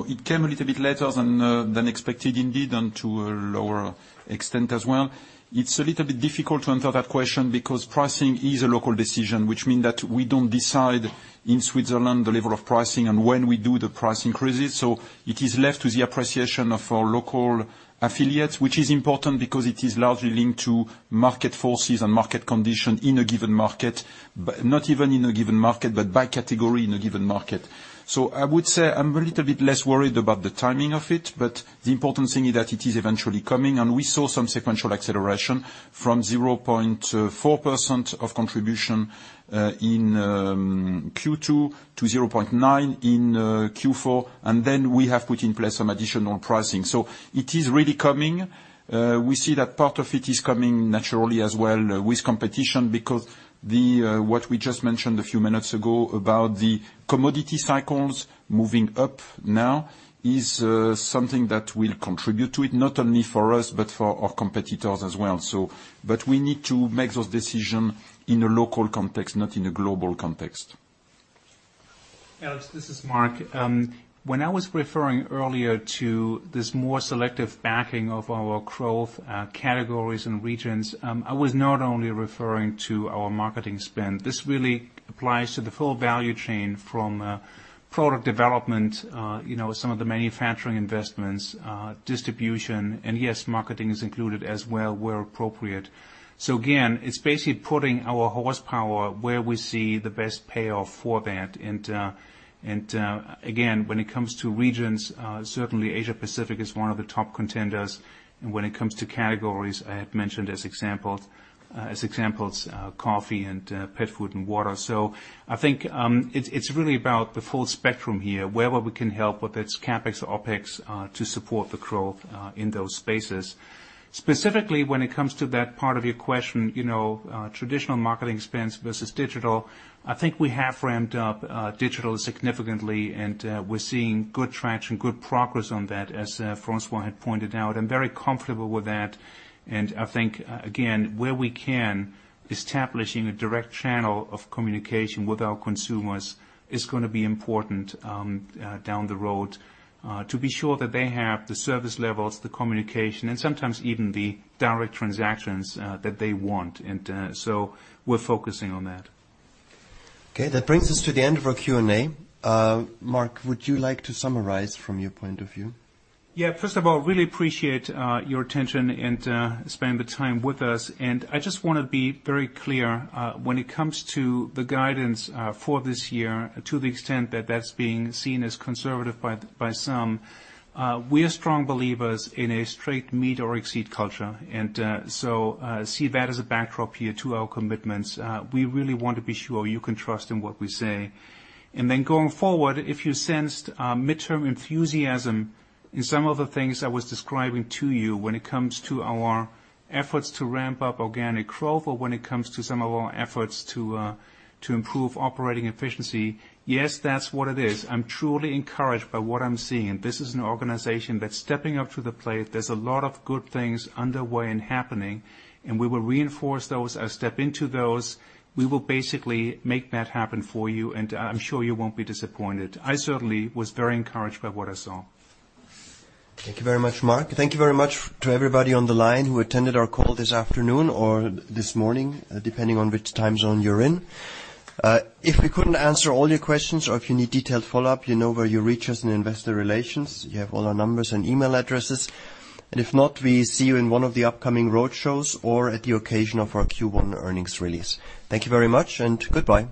It came a little bit later than expected indeed, and to a lower extent as well. It's a little bit difficult to answer that question because pricing is a local decision, which means that we don't decide in Switzerland the level of pricing and when we do the price increases. It is left to the appreciation of our local affiliates, which is important because it is largely linked to market forces and market condition in a given market, not even in a given market, but by category in a given market. I would say I'm a little bit less worried about the timing of it, but the important thing is that it is eventually coming, and we saw some sequential acceleration from 0.4% of contribution in Q2 to 0.9% in Q4, and then we have put in place some additional pricing. It is really coming. We see that part of it is coming naturally as well with competition because what we just mentioned a few minutes ago about the commodity cycles moving up now is something that will contribute to it, not only for us but for our competitors as well. We need to make those decisions in a local context, not in a global context. Alex, this is Mark. When I was referring earlier to this more selective backing of our growth categories and regions, I was not only referring to our marketing spend. This really applies to the full value chain from product development, some of the manufacturing investments, distribution, and yes, marketing is included as well, where appropriate. Again, it's basically putting our horsepower where we see the best payoff for that. Again when it comes to regions, certainly Asia Pacific is one of the top contenders. When it comes to categories, I had mentioned as examples coffee and pet food and water. I think it's really about the full spectrum here, wherever we can help, whether it's CapEx or OpEx, to support the growth in those spaces. Specifically, when it comes to that part of your question, traditional marketing spends versus digital, I think we have ramped up digital significantly, and we're seeing good traction, good progress on that, as François had pointed out. I'm very comfortable with that. I think, again, where we can, establishing a direct channel of communication with our consumers is going to be important down the road to be sure that they have the service levels, the communication, and sometimes even the direct transactions that they want. We're focusing on that. Okay, that brings us to the end of our Q&A. Mark, would you like to summarize from your point of view? Yeah. First of all, really appreciate your attention and spending the time with us. I just want to be very clear, when it comes to the guidance for this year, to the extent that that's being seen as conservative by some, we're strong believers in a strict meet or exceed culture. See that as a backdrop here to our commitments. We really want to be sure you can trust in what we say. Going forward, if you sensed midterm enthusiasm in some of the things I was describing to you when it comes to our efforts to ramp up organic growth, or when it comes to some of our efforts to improve operating efficiency, yes, that's what it is. I'm truly encouraged by what I'm seeing, and this is an organization that's stepping up to the plate. There's a lot of good things underway and happening, and we will reinforce those and step into those. We will basically make that happen for you, and I'm sure you won't be disappointed. I certainly was very encouraged by what I saw. Thank you very much, Mark. Thank you very much to everybody on the line who attended our call this afternoon or this morning, depending on which time zone you're in. If we couldn't answer all your questions or if you need detailed follow-up, you know where you reach us in Investor Relations. You have all our numbers and email addresses. If not, we see you in one of the upcoming road shows or at the occasion of our Q1 earnings release. Thank you very much and goodbye.